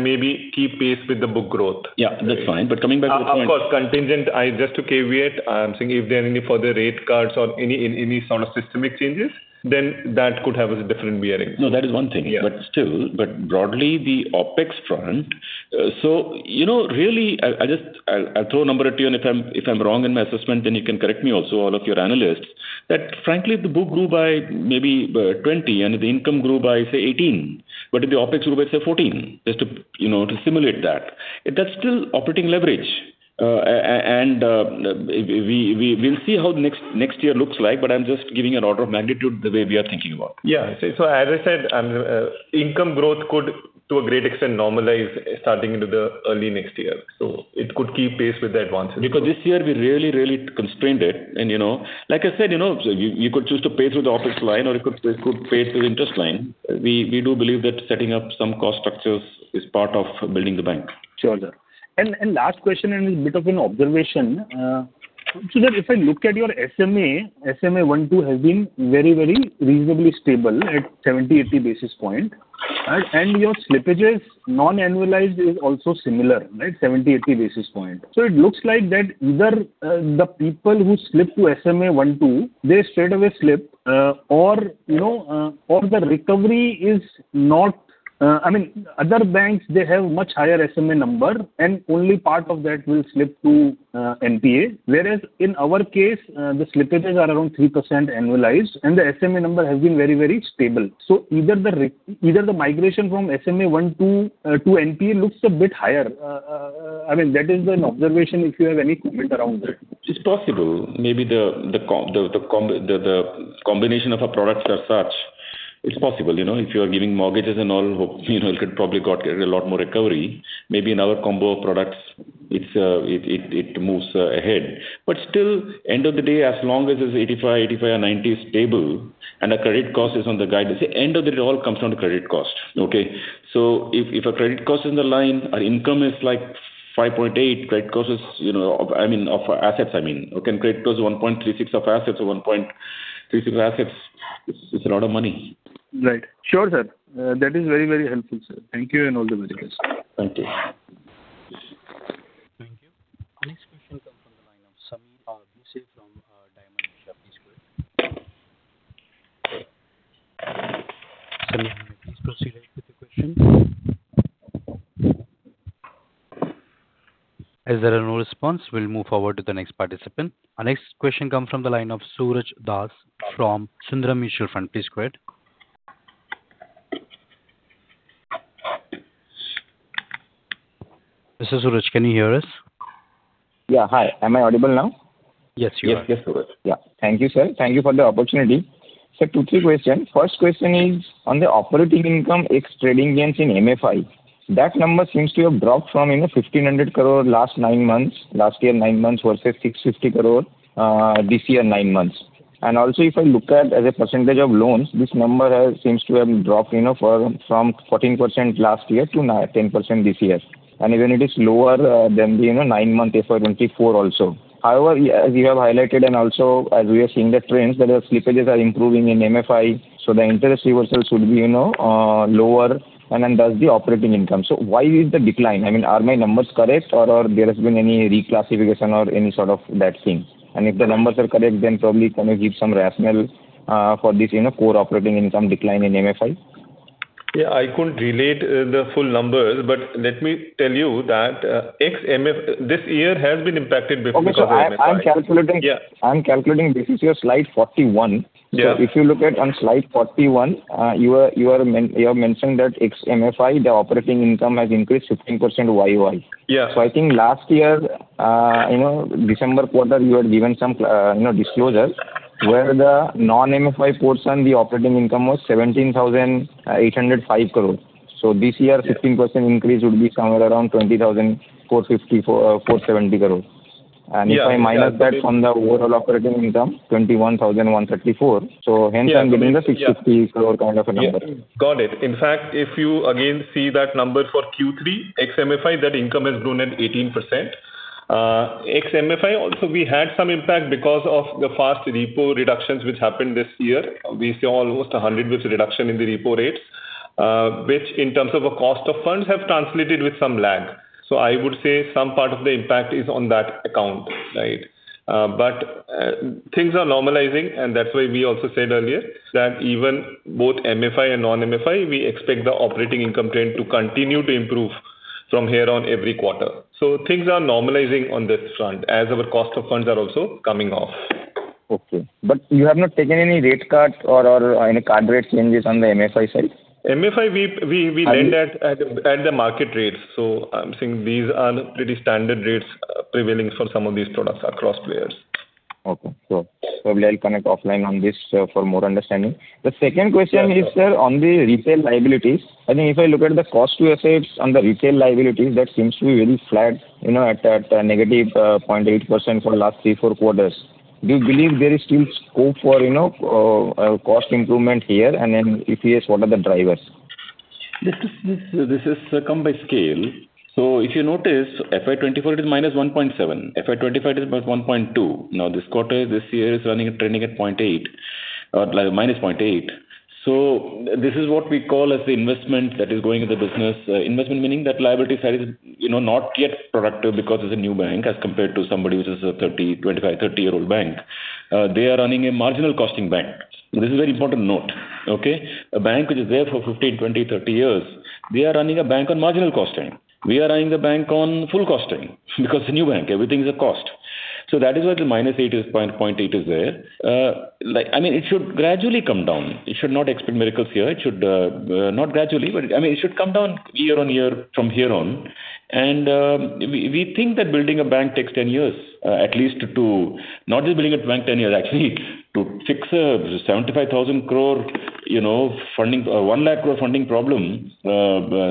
maybe keep pace with the book growth. Yeah, that's fine. But coming back to my- Of course, contingent, I just to caveat, I'm saying if there are any further rate cuts or any sort of systemic changes, then that could have a different bearing. No, that is one thing. Yeah. But still, broadly, the OpEx front, so, you know, really, I just, I'll throw a number at you, and if I'm wrong in my assessment, then you can correct me also, all of your analysts, that frankly, the book grew by maybe 20, and the income grew by, say, 18, but the OpEx grew by, say, 14, just to, you know, to simulate that. That's still operating leverage. And, we, we'll see how next year looks like, but I'm just giving an order of magnitude the way we are thinking about. Yeah. So, as I said, income growth could, to a great extent, normalize starting into the early next year, so, it could keep pace with the advances. Because this year we really, really constrained it and, you know... Like I said, you know, you could choose to pay through the OpEx line, or you could pay through the interest line. We do believe that setting up some cost structures is part of building the bank. Sure, sir. And last question, and a bit of an observation. So, if I look at your SMA, SMA 1-2 has been very, very reasonably stable at 70-80 basis points. And your slippages, non-annualized, is also similar, right? 70-80 basis points. So, it looks like that either the people who slip to SMA 1-2, they straightaway slip, or you know, or the recovery is not... I mean, other banks, they have much higher SMA number, and only part of that will slip to NPA. Whereas in our case, the slippages are around 3% annualized, and the SMA number has been very, very stable. So, either the migration from SMA 1 to NPA looks a bit higher. I mean, that is an observation, if you have any comment around it. It's possible. Maybe the combination of our products is such, it's possible, you know, if you are giving mortgages and all, you know, it could probably get a lot more recovery. Maybe in our combo of products, it moves ahead. But still, end of the day, as long as it's 85, 85 or 90 is stable, and the credit cost is on the guide, end of the day, it all comes down to credit cost. Okay? So, if a credit cost is in the line, our income is, like, 5.8, credit cost is, you know, I mean, of assets, I mean, okay? And credit cost 1.36 of assets or 1.36 assets, it's a lot of money. Right. Sure, sir. That is very, very helpful, sir. Thank you and all the very best. Thank you. Thank you. Our next question comes from the line of Samir Ahluwalia from Diamond Scholarship. Please go ahead. Samir, please proceed with the question. As there are no response, we'll move forward to the next participant. Our next question comes from the line of Suraj Das from Sundaram Mutual Fund. Please go ahead. Mr. Suraj, can you hear us? Yeah. Hi, am I audible now? Yes, you are. Yes, yes, sure. Yeah. Thank you, sir. Thank you for the opportunity. So 2, 3 questions. First question is on the operating income ex trading gains in MFI. That number seems to have dropped from, you know, 1,500 crore last nine months last year nine months versus 650 crore this year nine months. And also, if I look at as a percentage of loans, this number seems to have dropped, you know, from 14% last year to 9-10% this year. And even it is lower than the, you know, nine-month FY 2024 also. However, as you have highlighted and also as we are seeing the trends, that the slippages are improving in MFI, so the interest reversals should be, you know, lower, and then thus the operating income. So, why is the decline? I mean, are my numbers correct, or, or there has been any reclassification or any sort of that thing? And if the numbers are correct, then probably can you give some rationale, for this, you know, core operating income decline in MFI? Yeah, I couldn't relay the full numbers, but let me tell you that ex-MFI this year has been impacted because of MFI. Okay. I'm calculating- Yeah. I'm calculating. This is your slide 41. Yeah. So, if you look at slide 41, you have mentioned that ex MFI, the operating income has increased 15% YoY. Yeah. So, I think last year, you know, December quarter, you had given some, you know, disclosures, where the non-MFI portion, the operating income was INR 17,805 crore. So, this year- Yeah... 15% increase would be somewhere around INR 20,450 crore-INR 470 crore. Yeah. If I minus that from the overall operating income, INR 21,134. Yeah. Hence I'm getting the INR 650 crore kind of a number. Yeah. Got it. In fact, if you again see that number for Q3, ex MFI, that income has grown at 18%. Ex MFI, also we had some impact because of the fast repo reductions which happened this year. We saw almost a 100-basis points reduction in the repo rate, which in terms of a cost of funds have translated with some lag. So, I would say some part of the impact is on that account, right? But things are normalizing, and that's why we also said earlier, that even both MFI and non-MFI, we expect the operating income trend to continue to improve from here on every quarter. So, things are normalizing on this front, as our cost of funds are also coming off. Okay. But you have not taken any rate cuts or any card rate changes on the MFI side? MFI, we lend at the market rates, so I'm saying these are the pretty standard rates prevailing for some of these products across players. ... Okay, sure. Probably I'll connect offline on this for more understanding. The second question is, sir, on the retail liabilities, I mean, if I look at the cost to assets on the retail liabilities, that seems to be very flat, you know, at negative 0.8% for the last three, four quarters. Do you believe there is still scope for, you know, a cost improvement here? And then if yes, what are the drivers? This comes by scale. So, if you notice, FY 2024, it is minus 1.7. FY 2025 it is about 1.2. Now, this quarter, this year is running and trending at 0.8, or like, minus 0.8. So, this is what we call as the investment that is going in the business. Investment meaning that liability side is, you know, not yet productive because it's a new bank as compared to somebody which is a 30, 25, 30-year-old bank. They are running a marginal costing bank. This is a very important note, okay? A bank which is there for 15, 20, 30 years, they are running a bank on marginal costing. We are running the bank on full costing, because a new bank, everything is a cost. So, that is why the minus 0.8, 0.8 is there. Like, I mean, it should gradually come down. It should not expect miracles here. It should not gradually, but I mean, it should come down year-on-year from here on. We think that building a bank takes 10 years, at least to, not just building a bank 10 years, actually, to fix a 75,000 crore, you know, funding,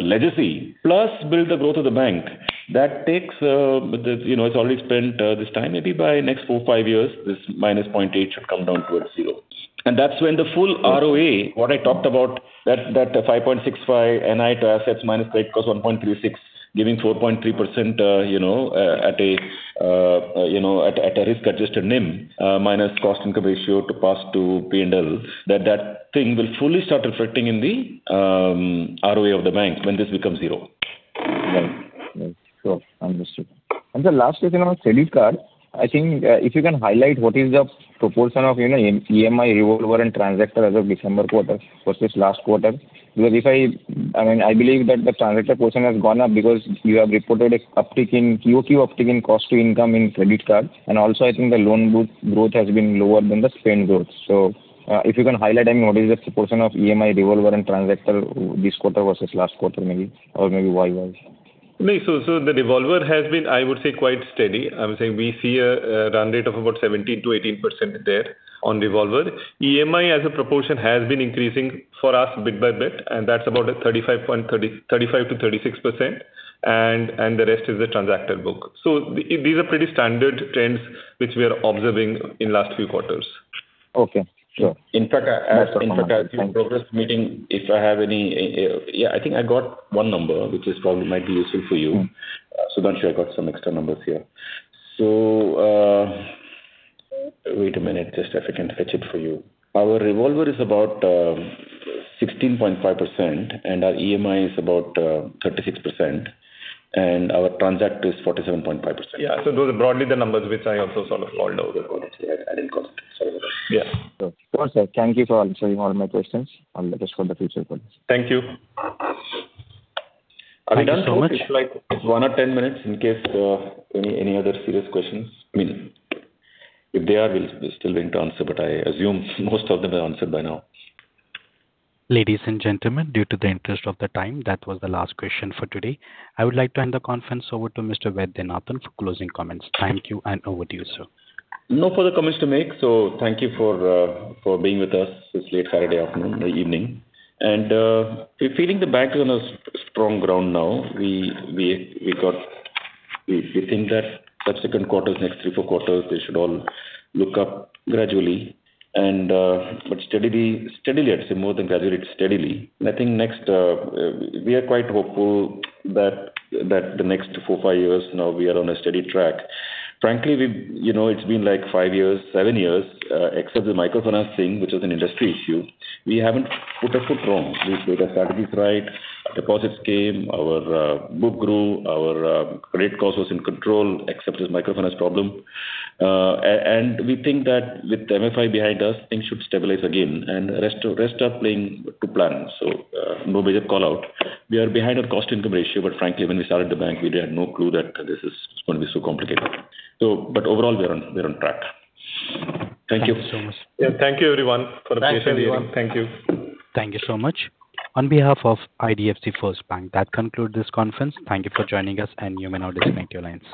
legacy, plus build the growth of the bank. That takes, you know, it's already spent, this time, maybe by next 4-5 years, this -0.8 should come down towards zero. And that's when the full ROA, what I talked about, that, that 5.65 NI to assets, minus credit cost 1.36, giving 4.3%, you know, at a, you know, at, at a risk-adjusted NIM, minus cost-income ratio to pass to P&L, that, that thing will fully start reflecting in the, ROA of the bank when this becomes zero. Right. Sure. Understood. The last is in our credit card. I think, if you can highlight what is the proportion of, you know, EMI, revolver and transactor as of December quarter versus last quarter? Because I mean, I believe that the transactor portion has gone up because you have reported an uptick in QOQ uptick in cost to income in credit card, and also, I think the loan growth has been lower than the spend growth. So, if you can highlight, I mean, what is the proportion of EMI, revolver and transactor this quarter versus last quarter, maybe, or maybe Y-Y? No, so, the revolver has been, I would say, quite steady. I would say we see a run rate of about 17%-18% there on revolver. EMI, as a proportion, has been increasing for us bit by bit, and that's about a 35 point, 30, 35-36%, and the rest is the transactor book. So, these are pretty standard trends which we are observing in last few quarters. Okay. Sure. In fact, I have a progress meeting, if I have any... Yeah, I think I got one number, which is probably might be useful for you. So let me check, I got some extra numbers here. So, wait a minute, just if I can fetch it for you. Our revolver is about 16.5%, and our EMI is about 36%, and our transactor is 47.5%. Yeah, so, those are broadly the numbers which I also sort of called out. I didn't call it. Sorry about that. Yeah. Sure, sir. Thank you for answering all my questions. I'll let us know the future questions. Thank you. Are we done? If you like one or ten minutes in case any other serious questions. I mean, if there are, we'll still be able to answer, but I assume most of them are answered by now. Ladies and gentlemen, in the interest of time, that was the last question for today. I would like to hand the conference over to Mr. Vaidyanathan for closing comments. Thank you, and over to you, sir. No further comments to make, so, thank you for being with us this late Friday afternoon, evening. And we're feeling the bank is on a strong ground now. We think that subsequent quarters, next 3, 4 quarters, they should all look up gradually, but steadily, steadily, I'd say, more than gradually, steadily. I think we are quite hopeful that the next 4, 5 years now, we are on a steady track. Frankly, you know, it's been like 5 years, 7 years, except the microfinance thing, which was an industry issue, we haven't put a foot wrong. We've made our strategies right, deposits came, our book grew, our credit cost was in control, except this microfinance problem. And we think that with MFI behind us, things should stabilize again, and the rest are playing to plan. No major call-out. We are behind our cost-income ratio, but frankly, when we started the bank, we had no clue that this is going to be so complicated. But overall, we are on, we are on track. Thank you. Thank you so much. Yeah. Thank you, everyone, for the patience. Thank you, everyone. Thank you. Thank you so much. On behalf of IDFC FIRST Bank, that concludes this conference. Thank you for joining us, and you may now disconnect your lines.